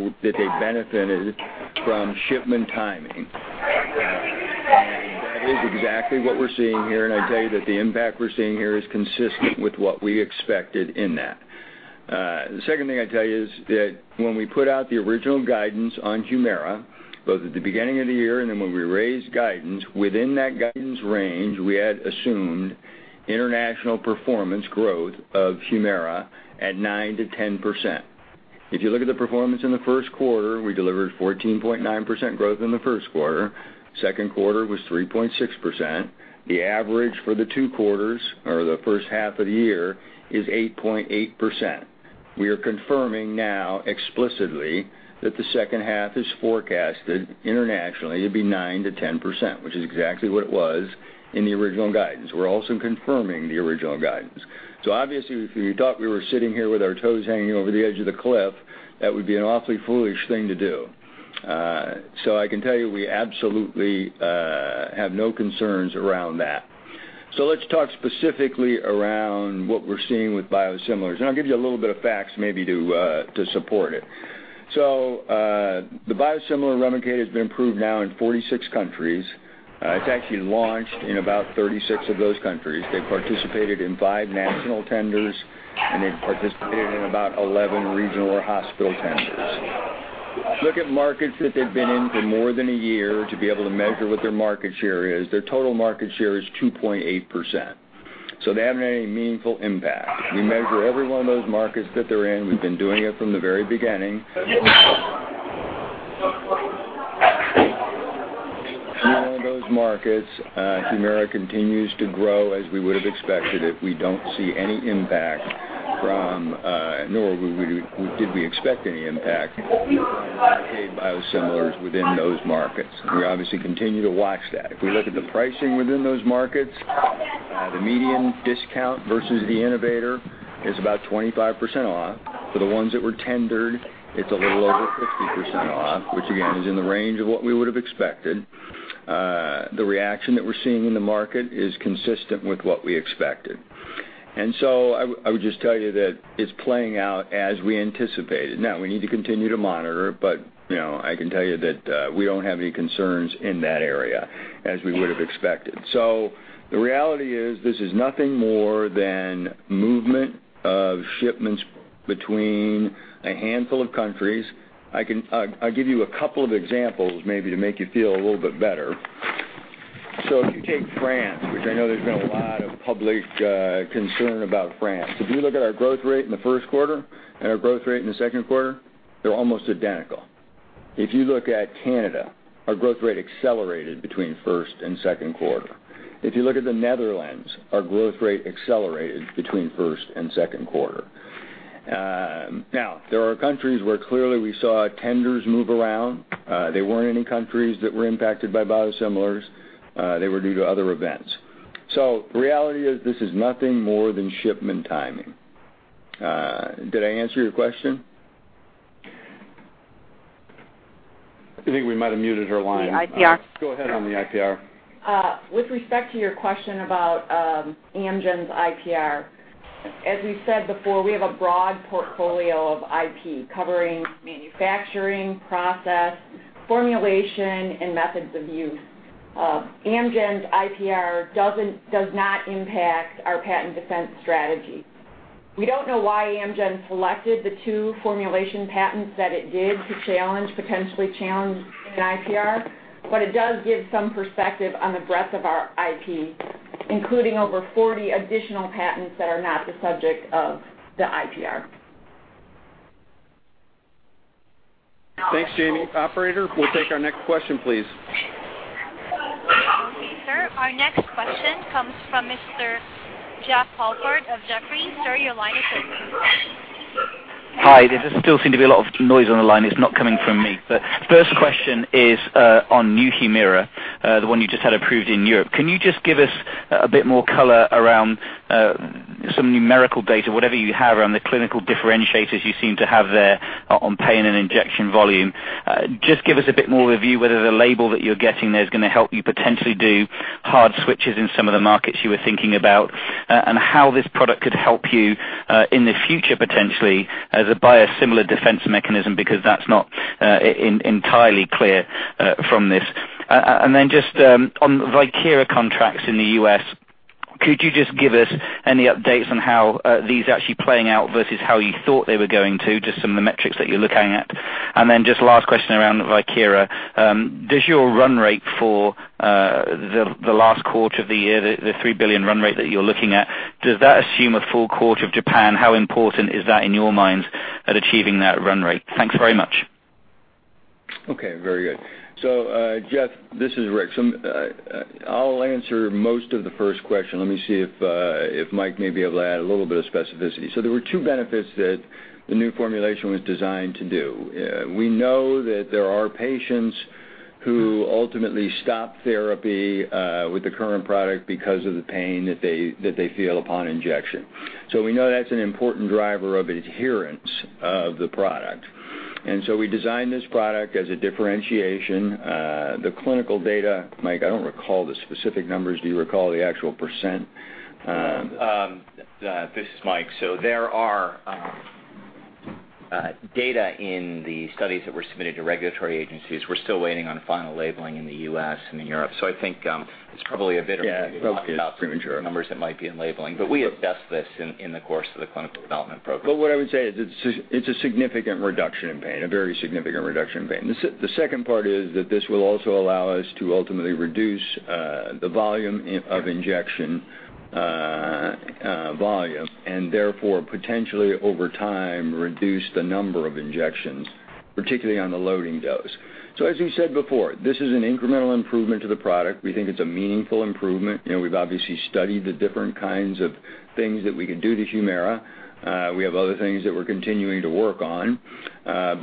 benefited from shipment timing. That is exactly what we're seeing here. I tell you that the impact we're seeing here is consistent with what we expected in that. The second thing I'd tell you is that when we put out the original guidance on HUMIRA, both at the beginning of the year and then when we raised guidance, within that guidance range, we had assumed international performance growth of HUMIRA at 9%-10%. If you look at the performance in the first quarter, we delivered 14.9% growth in the first quarter. Second quarter was 3.6%. The average for the two quarters or the first half of the year is 8.8%. We are confirming now explicitly that the second half is forecasted internationally to be 9%-10%, which is exactly what it was in the original guidance. We're also confirming the original guidance. Obviously, if you thought we were sitting here with our toes hanging over the edge of the cliff, that would be an awfully foolish thing to do. I can tell you we absolutely have no concerns around that. Let's talk specifically around what we're seeing with biosimilars, and I'll give you a little bit of facts maybe to support it. The biosimilar Remicade has been approved now in 46 countries. It's actually launched in about 36 of those countries. They participated in five national tenders, and they've participated in about 11 regional or hospital tenders. If you look at markets that they've been in for more than a year to be able to measure what their market share is, their total market share is 2.8%. They haven't had any meaningful impact. We measure every one of those markets that they're in. We've been doing it from the very beginning. In all of those markets, HUMIRA continues to grow as we would have expected it. We don't see any impact from, nor did we expect any impact from Remicade biosimilars within those markets. We obviously continue to watch that. If we look at the pricing within those markets, the median discount versus the innovator is about 25% off. For the ones that were tendered, it's a little over 50% off, which again, is in the range of what we would have expected. The reaction that we're seeing in the market is consistent with what we expected. I would just tell you that it's playing out as we anticipated. We need to continue to monitor, but I can tell you that we don't have any concerns in that area, as we would have expected. The reality is, this is nothing more than movement of shipments between a handful of countries. I'll give you a couple of examples, maybe to make you feel a little bit better. If you take France, which I know there's been a lot of public concern about France. If you look at our growth rate in the first quarter and our growth rate in the second quarter, they're almost identical. If you look at Canada, our growth rate accelerated between first and second quarter. If you look at the Netherlands, our growth rate accelerated between first and second quarter. There are countries where clearly we saw tenders move around. They weren't any countries that were impacted by biosimilars. They were due to other events. The reality is, this is nothing more than shipment timing. Did I answer your question? I think we might have muted her line. The IPR. Go ahead on the IPR. With respect to your question about Amgen's IPR, as we've said before, we have a broad portfolio of IP covering manufacturing, process formulation and methods of use. Amgen's IPR does not impact our patent defense strategy. We don't know why Amgen selected the two formulation patents that it did to potentially challenge an IPR, it does give some perspective on the breadth of our IP, including over 40 additional patents that are not the subject of the IPR. Thanks, Jami. Operator, we'll take our next question, please. Our next question comes from` Mr. Jeff Holford of Jefferies. Sir, your line is open. Hi. There does still seem to be a lot of noise on the line. It's not coming from me. First question is on new HUMIRA, the one you just had approved in Europe. Can you just give us a bit more color around some numerical data, whatever you have around the clinical differentiators you seem to have there on pain and injection volume? Just give us a bit more review whether the label that you're getting there is going to help you potentially do hard switches in some of the markets you were thinking about, how this product could help you, in the future, potentially, by a similar defense mechanism, because that's not entirely clear from this. Just on VIEKIRA contracts in the U.S., could you just give us any updates on how these are actually playing out versus how you thought they were going to, just some of the metrics that you're looking at? Just last question around VIEKIRA. Does your run rate for the last quarter of the year, the $3 billion run rate that you're looking at, does that assume a full quarter of Japan? How important is that in your minds at achieving that run rate? Thanks very much. Very good. Jeff, this is Rick. I'll answer most of the first question. Let me see if Mike may be able to add a little bit of specificity. There were two benefits that the new formulation was designed to do. We know that there are patients who ultimately stop therapy with the current product because of the pain that they feel upon injection. We know that's an important driver of adherence of the product. We designed this product as a differentiation. The clinical data, Mike, I don't recall the specific numbers. Do you recall the actual percent? This is Mike. There are data in the studies that were submitted to regulatory agencies. We're still waiting on final labeling in the U.S. and in Europe. I think it's probably a bit. Yeah. Okay. early to talk about some numbers that might be in labeling. We have best guess in the course of the clinical development program. What I would say is it's a significant reduction in pain, a very significant reduction in pain. The second part is that this will also allow us to ultimately reduce the volume of injection, and therefore, potentially over time, reduce the number of injections, particularly on the loading dose. As we said before, this is an incremental improvement to the product. We think it's a meaningful improvement. We've obviously studied the different kinds of things that we could do to HUMIRA. We have other things that we're continuing to work on.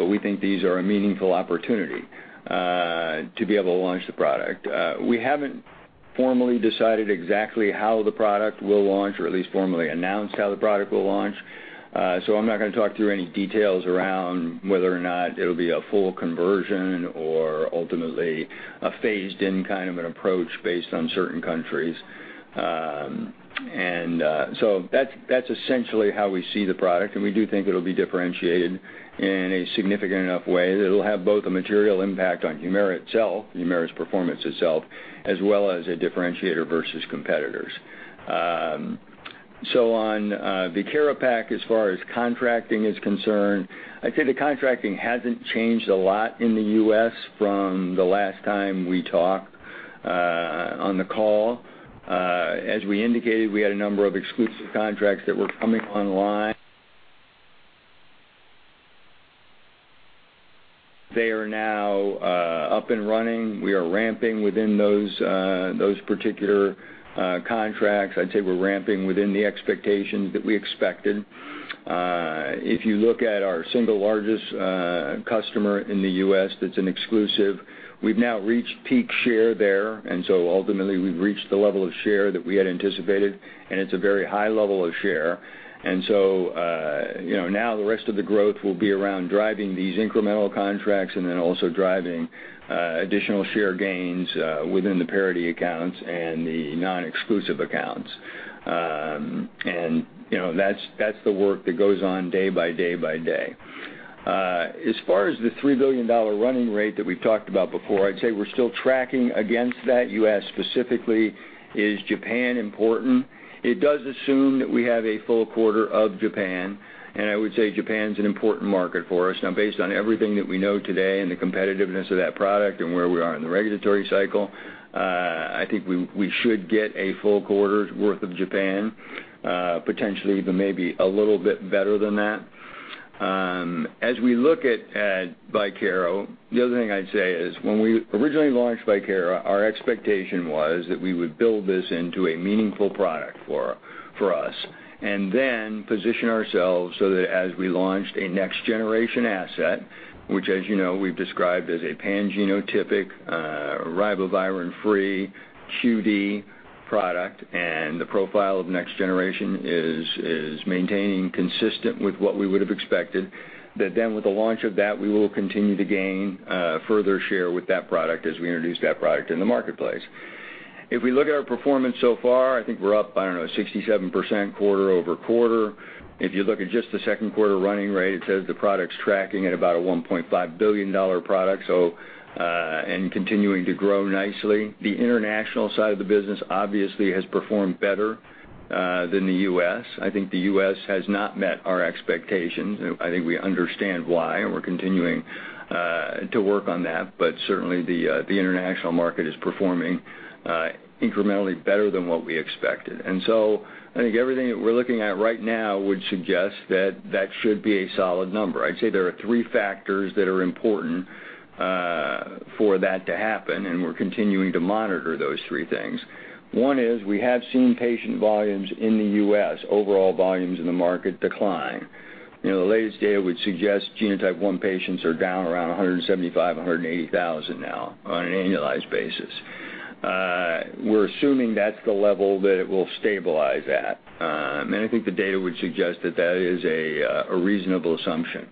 We think these are a meaningful opportunity to be able to launch the product. We haven't formally decided exactly how the product will launch, or at least formally announced how the product will launch. I'm not going to talk through any details around whether or not it'll be a full conversion or ultimately a phased-in kind of an approach based on certain countries. That's essentially how we see the product, and we do think it'll be differentiated in a significant enough way that it'll have both a material impact on HUMIRA itself, HUMIRA's performance itself, as well as a differentiator versus competitors. On VIEKIRA PAK, as far as contracting is concerned, I'd say the contracting hasn't changed a lot in the U.S. from the last time we talked on the call. As we indicated, we had a number of exclusive contracts that were coming online. They are now up and running. We are ramping within those particular contracts. I'd say we're ramping within the expectations that we expected. If you look at our single largest customer in the U.S. that's an exclusive, we've now reached peak share there, ultimately we've reached the level of share that we had anticipated, and it's a very high level of share. Now the rest of the growth will be around driving these incremental contracts and then also driving additional share gains within the parity accounts and the non-exclusive accounts. That's the work that goes on day by day by day. As far as the $3 billion running rate that we've talked about before, I'd say we're still tracking against that. You asked specifically, is Japan important? It does assume that we have a full quarter of Japan, and I would say Japan's an important market for us. Based on everything that we know today and the competitiveness of that product and where we are in the regulatory cycle, I think we should get a full quarter's worth of Japan, potentially even maybe a little bit better than that. As we look at VIEKIRA, the other thing I'd say is when we originally launched VIEKIRA, our expectation was that we would build this into a meaningful product for us and then position ourselves so that as we launched a next-generation asset, which as you know we've described as a pan-genotypic, ribavirin-free QD product, and the profile of next-generation is maintaining consistent with what we would have expected, with the launch of that, we will continue to gain further share with that product as we introduce that product in the marketplace. If we look at our performance so far, I think we're up, I don't know, 67% quarter-over-quarter. If you look at just the second quarter running rate, it says the product's tracking at about a $1.5 billion product, and continuing to grow nicely. The international side of the business obviously has performed better than the U.S. I think the U.S. has not met our expectations, and I think we understand why, and we're continuing to work on that. Certainly, the international market is performing incrementally better than what we expected. I think everything that we're looking at right now would suggest that that should be a solid number. I'd say there are three factors that are important for that to happen, and we're continuing to monitor those three things. One is we have seen patient volumes in the U.S., overall volumes in the market decline. The latest data would suggest genotype 1 patients are down around 175,000-180,000 now on an annualized basis. We're assuming that's the level that it will stabilize at, and I think the data would suggest that that is a reasonable assumption.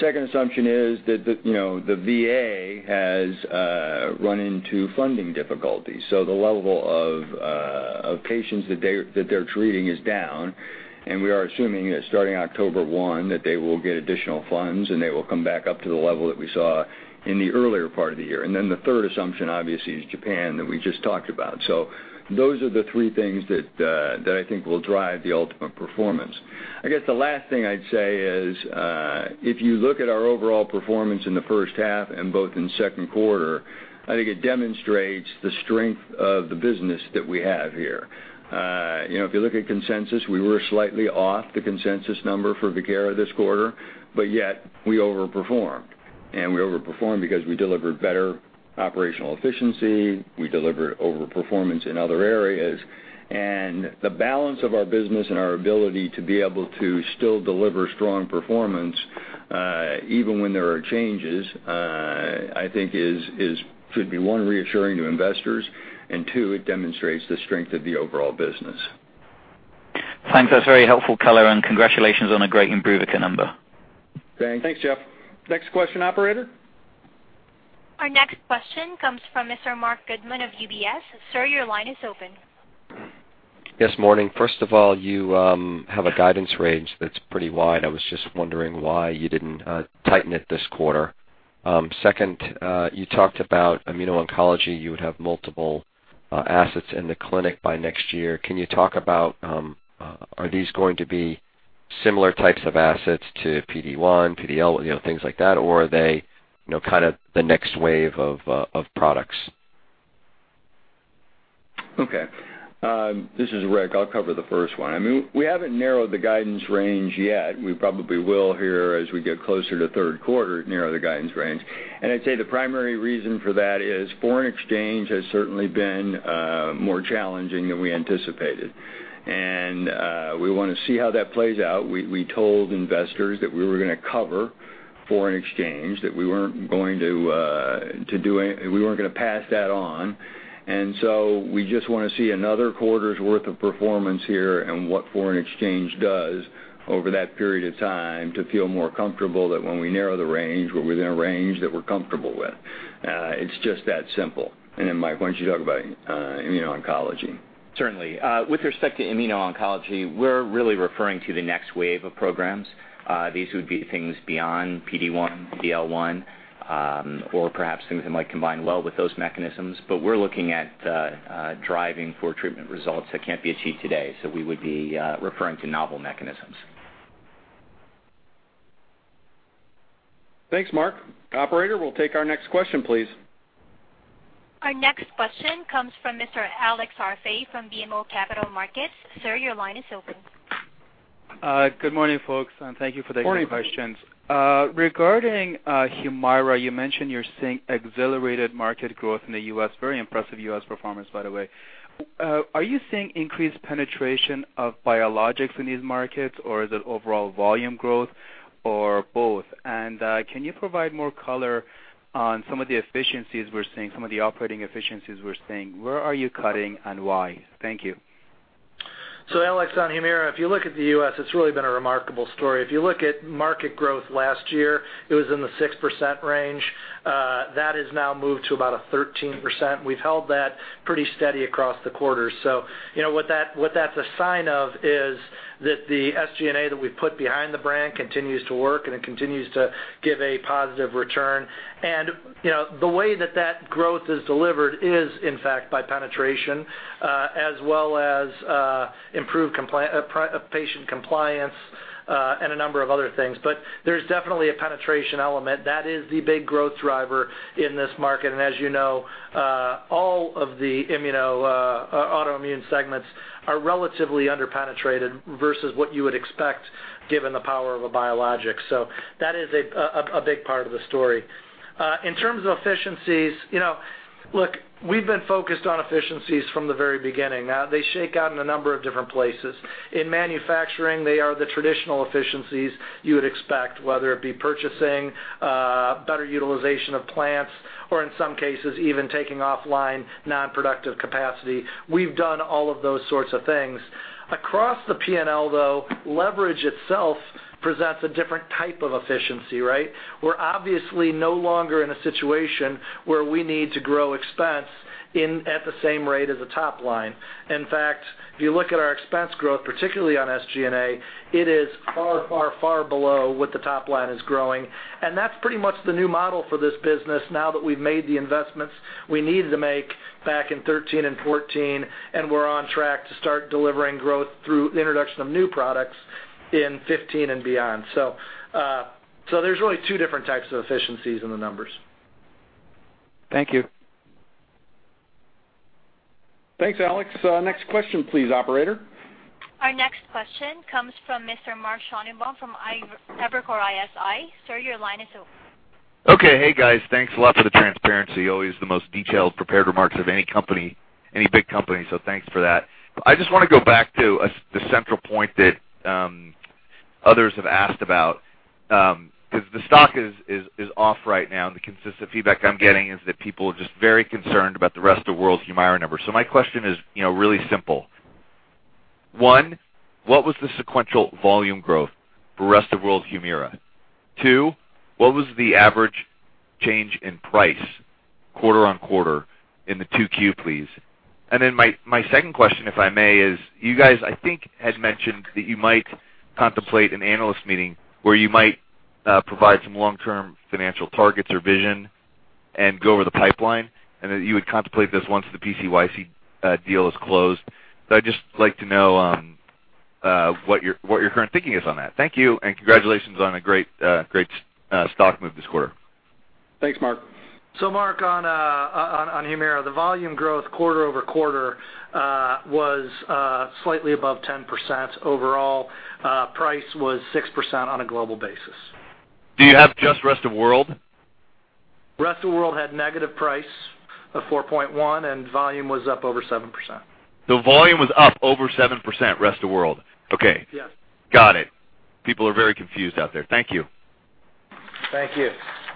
Second assumption is that the VA has run into funding difficulties. The level of patients that they're treating is down, and we are assuming that starting October 1, that they will get additional funds, and they will come back up to the level that we saw in the earlier part of the year. The third assumption, obviously, is Japan that we just talked about. Those are the three things that I think will drive the ultimate performance. The last thing I'd say is, if you look at our overall performance in the first half and both in second quarter, I think it demonstrates the strength of the business that we have here. If you look at consensus, we were slightly off the consensus number for VIEKIRA this quarter, yet we overperformed. We overperformed because we delivered better operational efficiency. We delivered overperformance in other areas. The balance of our business and our ability to be able to still deliver strong performance, even when there are changes, I think should be, one, reassuring to investors, and two, it demonstrates the strength of the overall business. Thanks. That's very helpful color. Congratulations on a great IMBRUVICA number. Thanks, Jeff. Next question, operator. Our next question comes from Mr. Marc Goodman of UBS. Sir, your line is open. Yes, morning. First of all, you have a guidance range that's pretty wide. I was just wondering why you didn't tighten it this quarter. Second, you talked about immuno-oncology; you would have multiple assets in the clinic by next year. Can you talk about, are these going to be similar types of assets to PD-1, PD-L1, things like that? Are they kind of the next wave of products? Okay. This is Rick; I'll cover the first one. We haven't narrowed the guidance range yet. We probably will here as we get closer to third quarter, narrow the guidance range. I'd say the primary reason for that is foreign exchange has certainly been more challenging than we anticipated. We want to see how that plays out. We told investors that we were going to cover foreign exchange, that we weren't going to pass that on. We just want to see another quarter's worth of performance here and what foreign exchange does over that period of time to feel more comfortable that when we narrow the range, we're within a range that we're comfortable with. It's just that simple. Mike, why don't you talk about immuno-oncology? Certainly. With respect to immuno-oncology, we're really referring to the next wave of programs. These would be things beyond PD-1, PD-L1, or perhaps things that might combine well with those mechanisms. We're looking at driving for treatment results that can't be achieved today. We would be referring to novel mechanisms. Thanks, Marc. Operator, we'll take our next question, please. Our next question comes from Mr. Alex Arfaei from BMO Capital Markets. Sir, your line is open. Good morning, folks, and thank you for taking our questions. Morning. Regarding HUMIRA, you mentioned you're seeing accelerated market growth in the U.S. Very impressive U.S. performance, by the way. Are you seeing increased penetration of biologics in these markets, or is it overall volume growth, or both? Can you provide more color on some of the efficiencies we're seeing, some of the operating efficiencies we're seeing? Where are you cutting and why? Thank you. Alex, on HUMIRA, if you look at the U.S., it's really been a remarkable story. If you look at market growth last year, it was in the 6% range. That has now moved to about a 13%. We've held that pretty steady across the quarter. What that's a sign of is that the SG&A that we put behind the brand continues to work, and it continues to give a positive return. The way that that growth is delivered is, in fact, by penetration, as well as improved patient compliance and a number of other things. There's definitely a penetration element. That is the big growth driver in this market. As you know, all of the autoimmune segments are relatively under-penetrated versus what you would expect given the power of a biologic. That is a big part of the story. In terms of efficiencies- Look, we've been focused on efficiencies from the very beginning. They shake out in a number of different places. In manufacturing, they are the traditional efficiencies you would expect, whether it be purchasing, better utilization of plants, or in some cases even taking offline non-productive capacity. We've done all of those sorts of things. Across the P&L, though, leverage itself presents a different type of efficiency, right? We're obviously no longer in a situation where we need to grow expense at the same rate as the top line. In fact, if you look at our expense growth, particularly on SG&A, it is far below what the top line is growing. That's pretty much the new model for this business now that we've made the investments we needed to make back in 2013 and 2014, and we're on track to start delivering growth through the introduction of new products in 2015 and beyond. There's really 2 different types of efficiencies in the numbers. Thank you. Thanks, Alex. Next question please, operator. Our next question comes from Mr. Mark Schoenebaum from Evercore ISI. Sir, your line is open. Okay. Hey, guys. Thanks a lot for the transparency. Always the most detailed prepared remarks of any big company, so thanks for that. I just want to go back to the central point that others have asked about, because the stock is off right now, and the consistent feedback I'm getting is that people are just very concerned about the rest of world HUMIRA numbers. My question is really simple. One, what was the sequential volume growth for rest of world HUMIRA? Two, what was the average change in price quarter-on-quarter in the 2Q, please? My second question, if I may, is you guys, I think, had mentioned that you might contemplate an analyst meeting where you might provide some long-term financial targets or vision and go over the pipeline, and that you would contemplate this once the Pharmacyclics deal is closed. I'd just like to know what your current thinking is on that. Thank you, and congratulations on a great stock move this quarter. Thanks, Mark. Mark, on HUMIRA, the volume growth quarter-over-quarter was slightly above 10%. Overall price was 6% on a global basis. Do you have just rest of world? Rest of world had negative price of 4.1, and volume was up over 7%. Volume was up over 7% rest of world? Okay. Yes. Got it. People are very confused out there. Thank you. Thank you.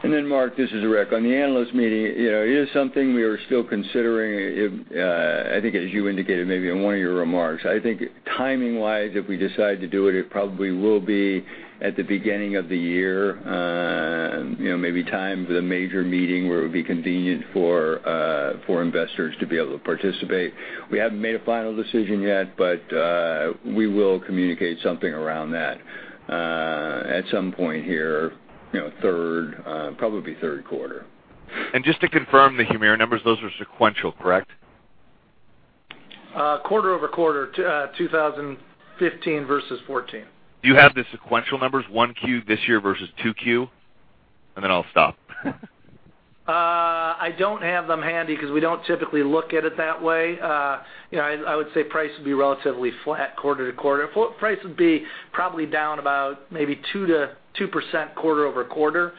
Mark, this is Rick. On the analyst meeting, it is something we are still considering. I think as you indicated, maybe in one of your remarks, I think timing-wise, if we decide to do it probably will be at the beginning of the year, maybe timed with a major meeting where it would be convenient for investors to be able to participate. We haven't made a final decision yet, we will communicate something around that at some point here, probably third quarter. Just to confirm the HUMIRA numbers, those are sequential, correct? Quarter-over-quarter 2015 versus 2014. Do you have the sequential numbers 1Q this year versus 2Q? Then I'll stop. I don't have them handy because we don't typically look at it that way. I would say price would be relatively flat quarter-over-quarter. Price would be probably down about maybe 2% quarter-over-quarter,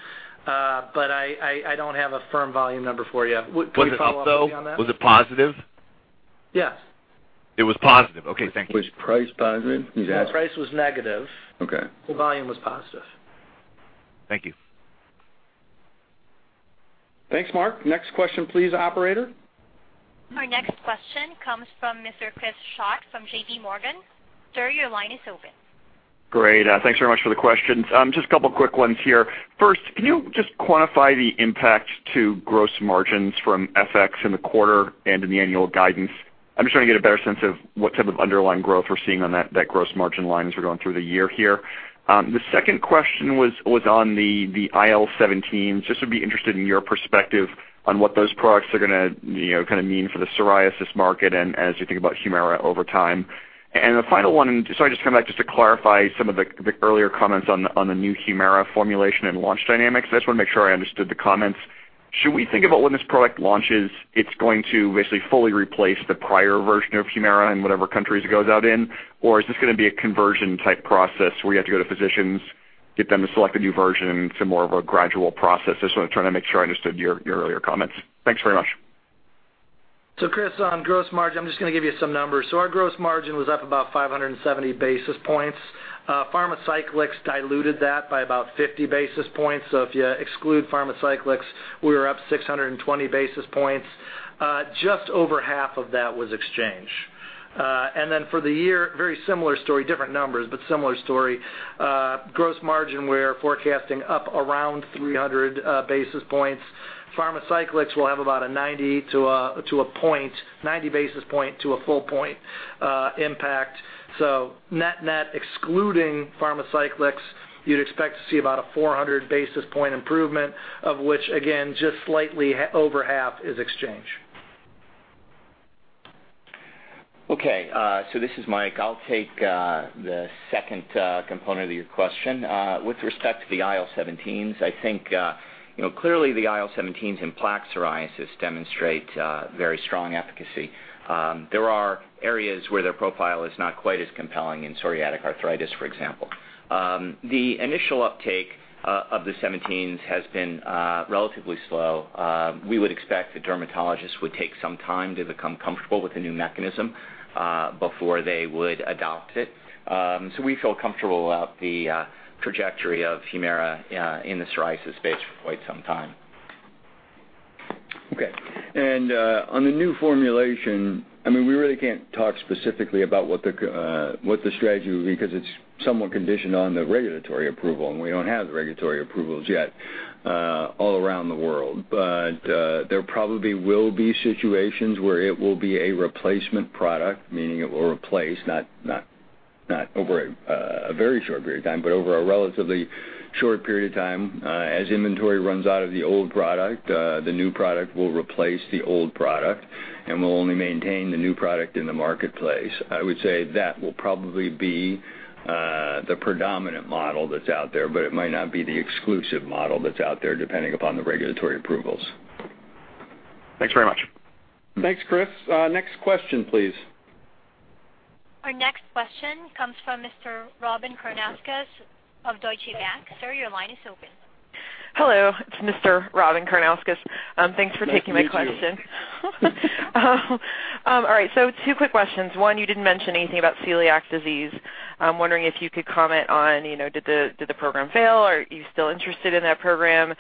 but I don't have a firm volume number for you. We can follow up with you on that. Was it positive? Yes. It was positive. Okay, thank you. Was price positive? He's asking. Price was negative. Okay. The volume was positive. Thank you. Thanks, Mark. Next question please, operator. Our next question comes from Mr. Chris Schott from JPMorgan. Sir, your line is open. Great. Thanks very much for the questions. Just a couple of quick ones here. First, can you just quantify the impact to gross margins from FX in the quarter and in the annual guidance? I'm just trying to get a better sense of what type of underlying growth we're seeing on that gross margin line as we're going through the year here. The second question was on the IL-17s. Just would be interested in your perspective on what those products are going to kind of mean for the psoriasis market and as you think about HUMIRA over time. The final one, sorry, just coming back just to clarify some of the earlier comments on the new HUMIRA formulation and launch dynamics. I just want to make sure I understood the comments. Should we think about when this product launches, it's going to basically fully replace the prior version of HUMIRA in whatever countries it goes out in? Is this going to be a conversion type process where you have to go to physicians, get them to select a new version, so more of a gradual process? Just want to try to make sure I understood your earlier comments. Thanks very much. Chris, on gross margin, I'm just going to give you some numbers. Our gross margin was up about 570 basis points. Pharmacyclics diluted that by about 50 basis points. If you exclude Pharmacyclics, we were up 620 basis points. Just over half of that was exchange. For the year, very similar story, different numbers, but similar story. Gross margin, we're forecasting up around 300 basis points. Pharmacyclics will have about a 90 basis point to a full point impact. Net excluding Pharmacyclics, you'd expect to see about a 400 basis point improvement, of which, again, just slightly over half is exchange. Okay. This is Mike. I'll take the second component of your question. With respect to the IL-17s, I think, clearly the IL-17s in plaque psoriasis demonstrate very strong efficacy. There are areas where their profile is not quite as compelling in psoriatic arthritis, for example. The initial uptake of the 17s has been relatively slow. We would expect the dermatologists would take some time to become comfortable with the new mechanism before they would adopt it. We feel comfortable about the trajectory of HUMIRA in the psoriasis space for quite some time. Okay. On the new formulation, we really can't talk specifically about what the strategy will be, because it's somewhat conditioned on the regulatory approval, and we don't have the regulatory approvals yet all around the world. There probably will be situations where it will be a replacement product, meaning it will replace, not over a very short period of time, but over a relatively short period of time. As inventory runs out of the old product, the new product will replace the old product, and we'll only maintain the new product in the marketplace. I would say that will probably be the predominant model that's out there, but it might not be the exclusive model that's out there, depending upon the regulatory approvals. Thanks very much. Thanks, Chris. Next question, please. Our next question comes from Mr. Robyn Karnauskas of Deutsche Bank. Sir, your line is open. Hello, it is Mr. Robyn Karnauskas. Thanks for taking my question. All right, two quick questions. One, you did not mention anything about celiac disease. I am wondering if you could comment on, did the program fail, are you still interested in that program?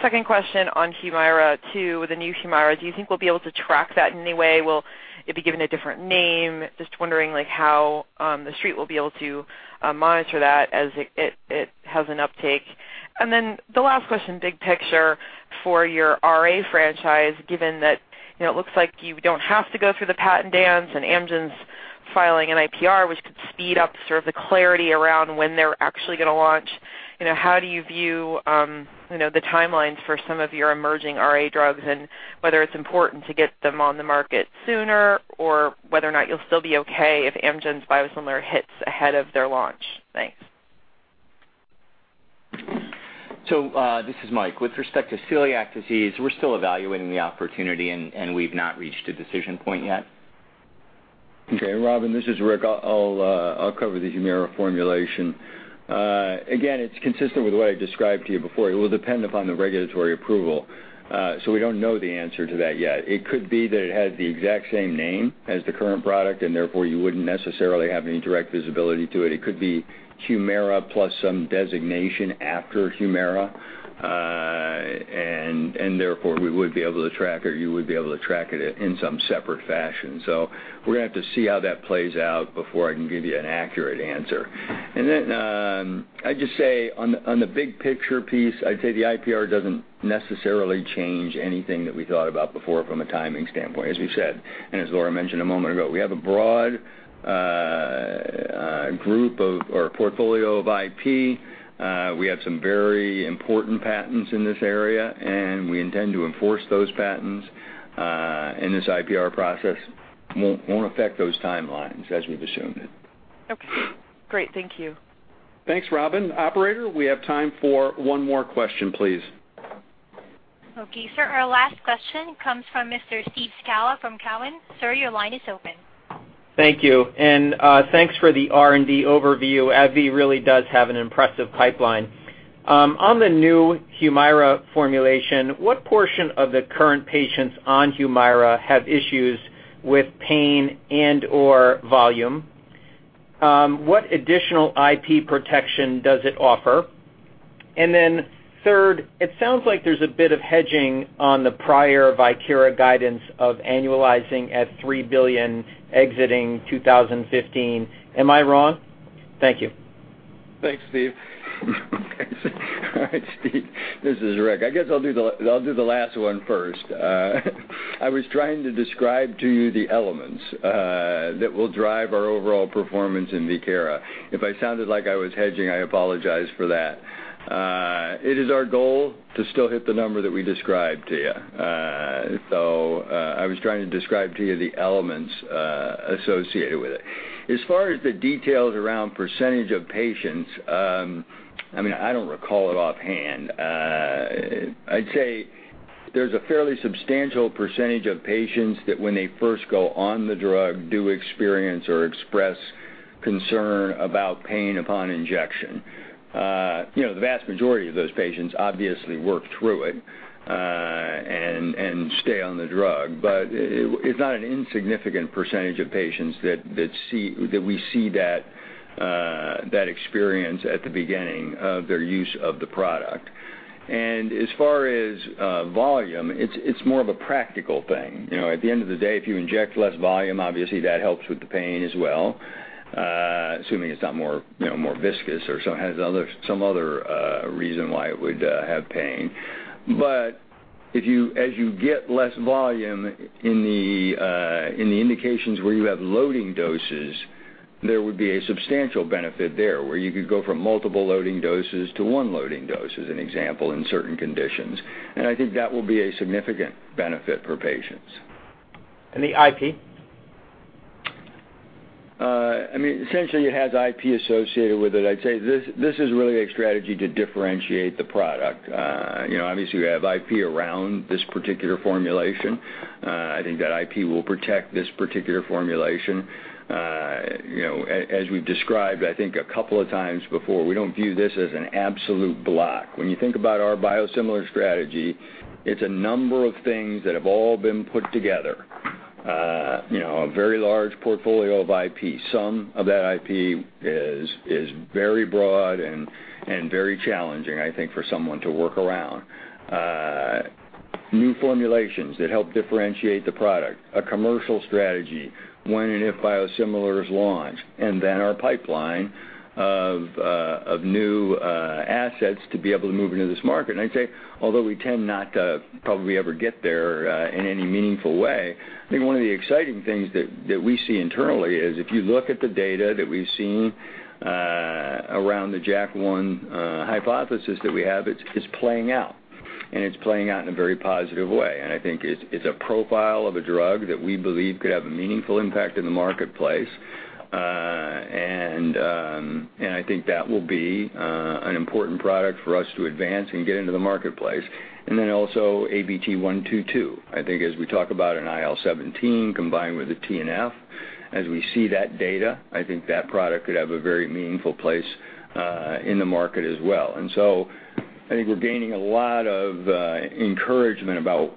Second question on HUMIRA, too, the new HUMIRA. Do you think we will be able to track that in any way? Will it be given a different name? Just wondering how The Street will be able to monitor that as it has an uptick. Then the last question, big picture, for your RA franchise, given that it looks like you do not have to go through the patent dance, Amgen's filing an IPR, which could speed up sort of the clarity around when they are actually going to launch. How do you view the timelines for some of your emerging RA drugs, and whether it is important to get them on the market sooner, or whether or not you will still be okay if Amgen's biosimilar hits ahead of their launch? Thanks. this is Mike. With respect to celiac disease, we're still evaluating the opportunity, and we've not reached a decision point yet. Okay. Robyn, this is Rick. I'll cover the HUMIRA formulation. Again, it's consistent with what I described to you before. It will depend upon the regulatory approval. We don't know the answer to that yet. It could be that it has the exact same name as the current product, and therefore you wouldn't necessarily have any direct visibility to it. It could be HUMIRA plus some designation after HUMIRA, and therefore, we would be able to track, or you would be able to track it in some separate fashion. We're going to have to see how that plays out before I can give you an accurate answer. Then, I'd just say on the big picture piece, I'd say the IPR doesn't necessarily change anything that we thought about before from a timing standpoint, as we've said. As Laura mentioned a moment ago, we have a broad group of, or portfolio of IP. We have some very important patents in this area, and we intend to enforce those patents, and this IPR process won't affect those timelines as we've assumed it. Okay, great. Thank you. Thanks, Robyn. Operator, we have time for one more question, please. Okay, sir. Our last question comes from Mr. Steve Scala from Cowen. Sir, your line is open. Thank you. Thanks for the R&D overview. AbbVie really does have an impressive pipeline. On the new HUMIRA formulation, what portion of the current patients on HUMIRA have issues with pain and/or volume? What additional IP protection does it offer? Third, it sounds like there's a bit of hedging on the prior VIEKIRA guidance of annualizing at $3 billion exiting 2015. Am I wrong? Thank you. Thanks, Steve. All right, Steve. This is Rick. I guess I'll do the last one first. I was trying to describe to you the elements that will drive our overall performance in VIEKIRA. If I sounded like I was hedging, I apologize for that. It is our goal to still hit the number that we described to you. I was trying to describe to you the elements associated with it. As far as the details around percentage of patients, I don't recall it offhand. I'd say there's a fairly substantial percentage of patients that when they first go on the drug, do experience or express concern about pain upon injection. The vast majority of those patients obviously work through it, and stay on the drug. It's not an insignificant percentage of patients that we see that experience at the beginning of their use of the product. As far as volume, it's more of a practical thing. At the end of the day, if you inject less volume, obviously that helps with the pain as well, assuming it's not more viscous or has some other reason why it would have pain. As you get less volume in the indications where you have loading doses, there would be a substantial benefit there, where you could go from multiple loading doses to one loading dose, as an example, in certain conditions. I think that will be a significant benefit for patients. The IP? Essentially, it has IP associated with it. I'd say this is really a strategy to differentiate the product. Obviously, we have IP around this particular formulation. I think that IP will protect this particular formulation. As we've described, I think a couple of times before, we don't view this as an absolute block. When you think about our biosimilar strategy, it's a number of things that have all been put together. A very large portfolio of IP. Some of that IP is very broad and very challenging, I think, for someone to work around. New formulations that help differentiate the product. A commercial strategy, when and if biosimilars launch. Then our pipeline of new assets to be able to move into this market. I'd say, although we tend not to probably ever get there in any meaningful way, I think one of the exciting things that we see internally is if you look at the data that we've seen around the JAK1 hypothesis that we have, it's playing out. It's playing out in a very positive way, and I think it's a profile of a drug that we believe could have a meaningful impact in the marketplace. I think that will be an important product for us to advance and get into the marketplace. Then also ABT-122. I think as we talk about an IL-17 combined with a TNF, as we see that data, I think that product could have a very meaningful place in the market as well. I think we're gaining a lot of encouragement about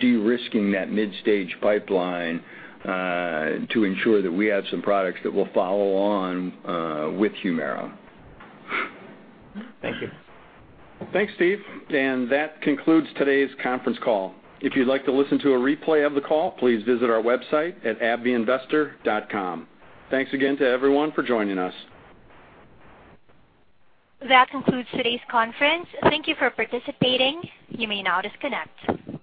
de-risking that mid-stage pipeline to ensure that we have some products that will follow on with HUMIRA. Thank you. Thanks, Steve. That concludes today's conference call. If you'd like to listen to a replay of the call, please visit our website at abbvieinvestor.com. Thanks again to everyone for joining us. That concludes today's conference. Thank you for participating. You may now disconnect.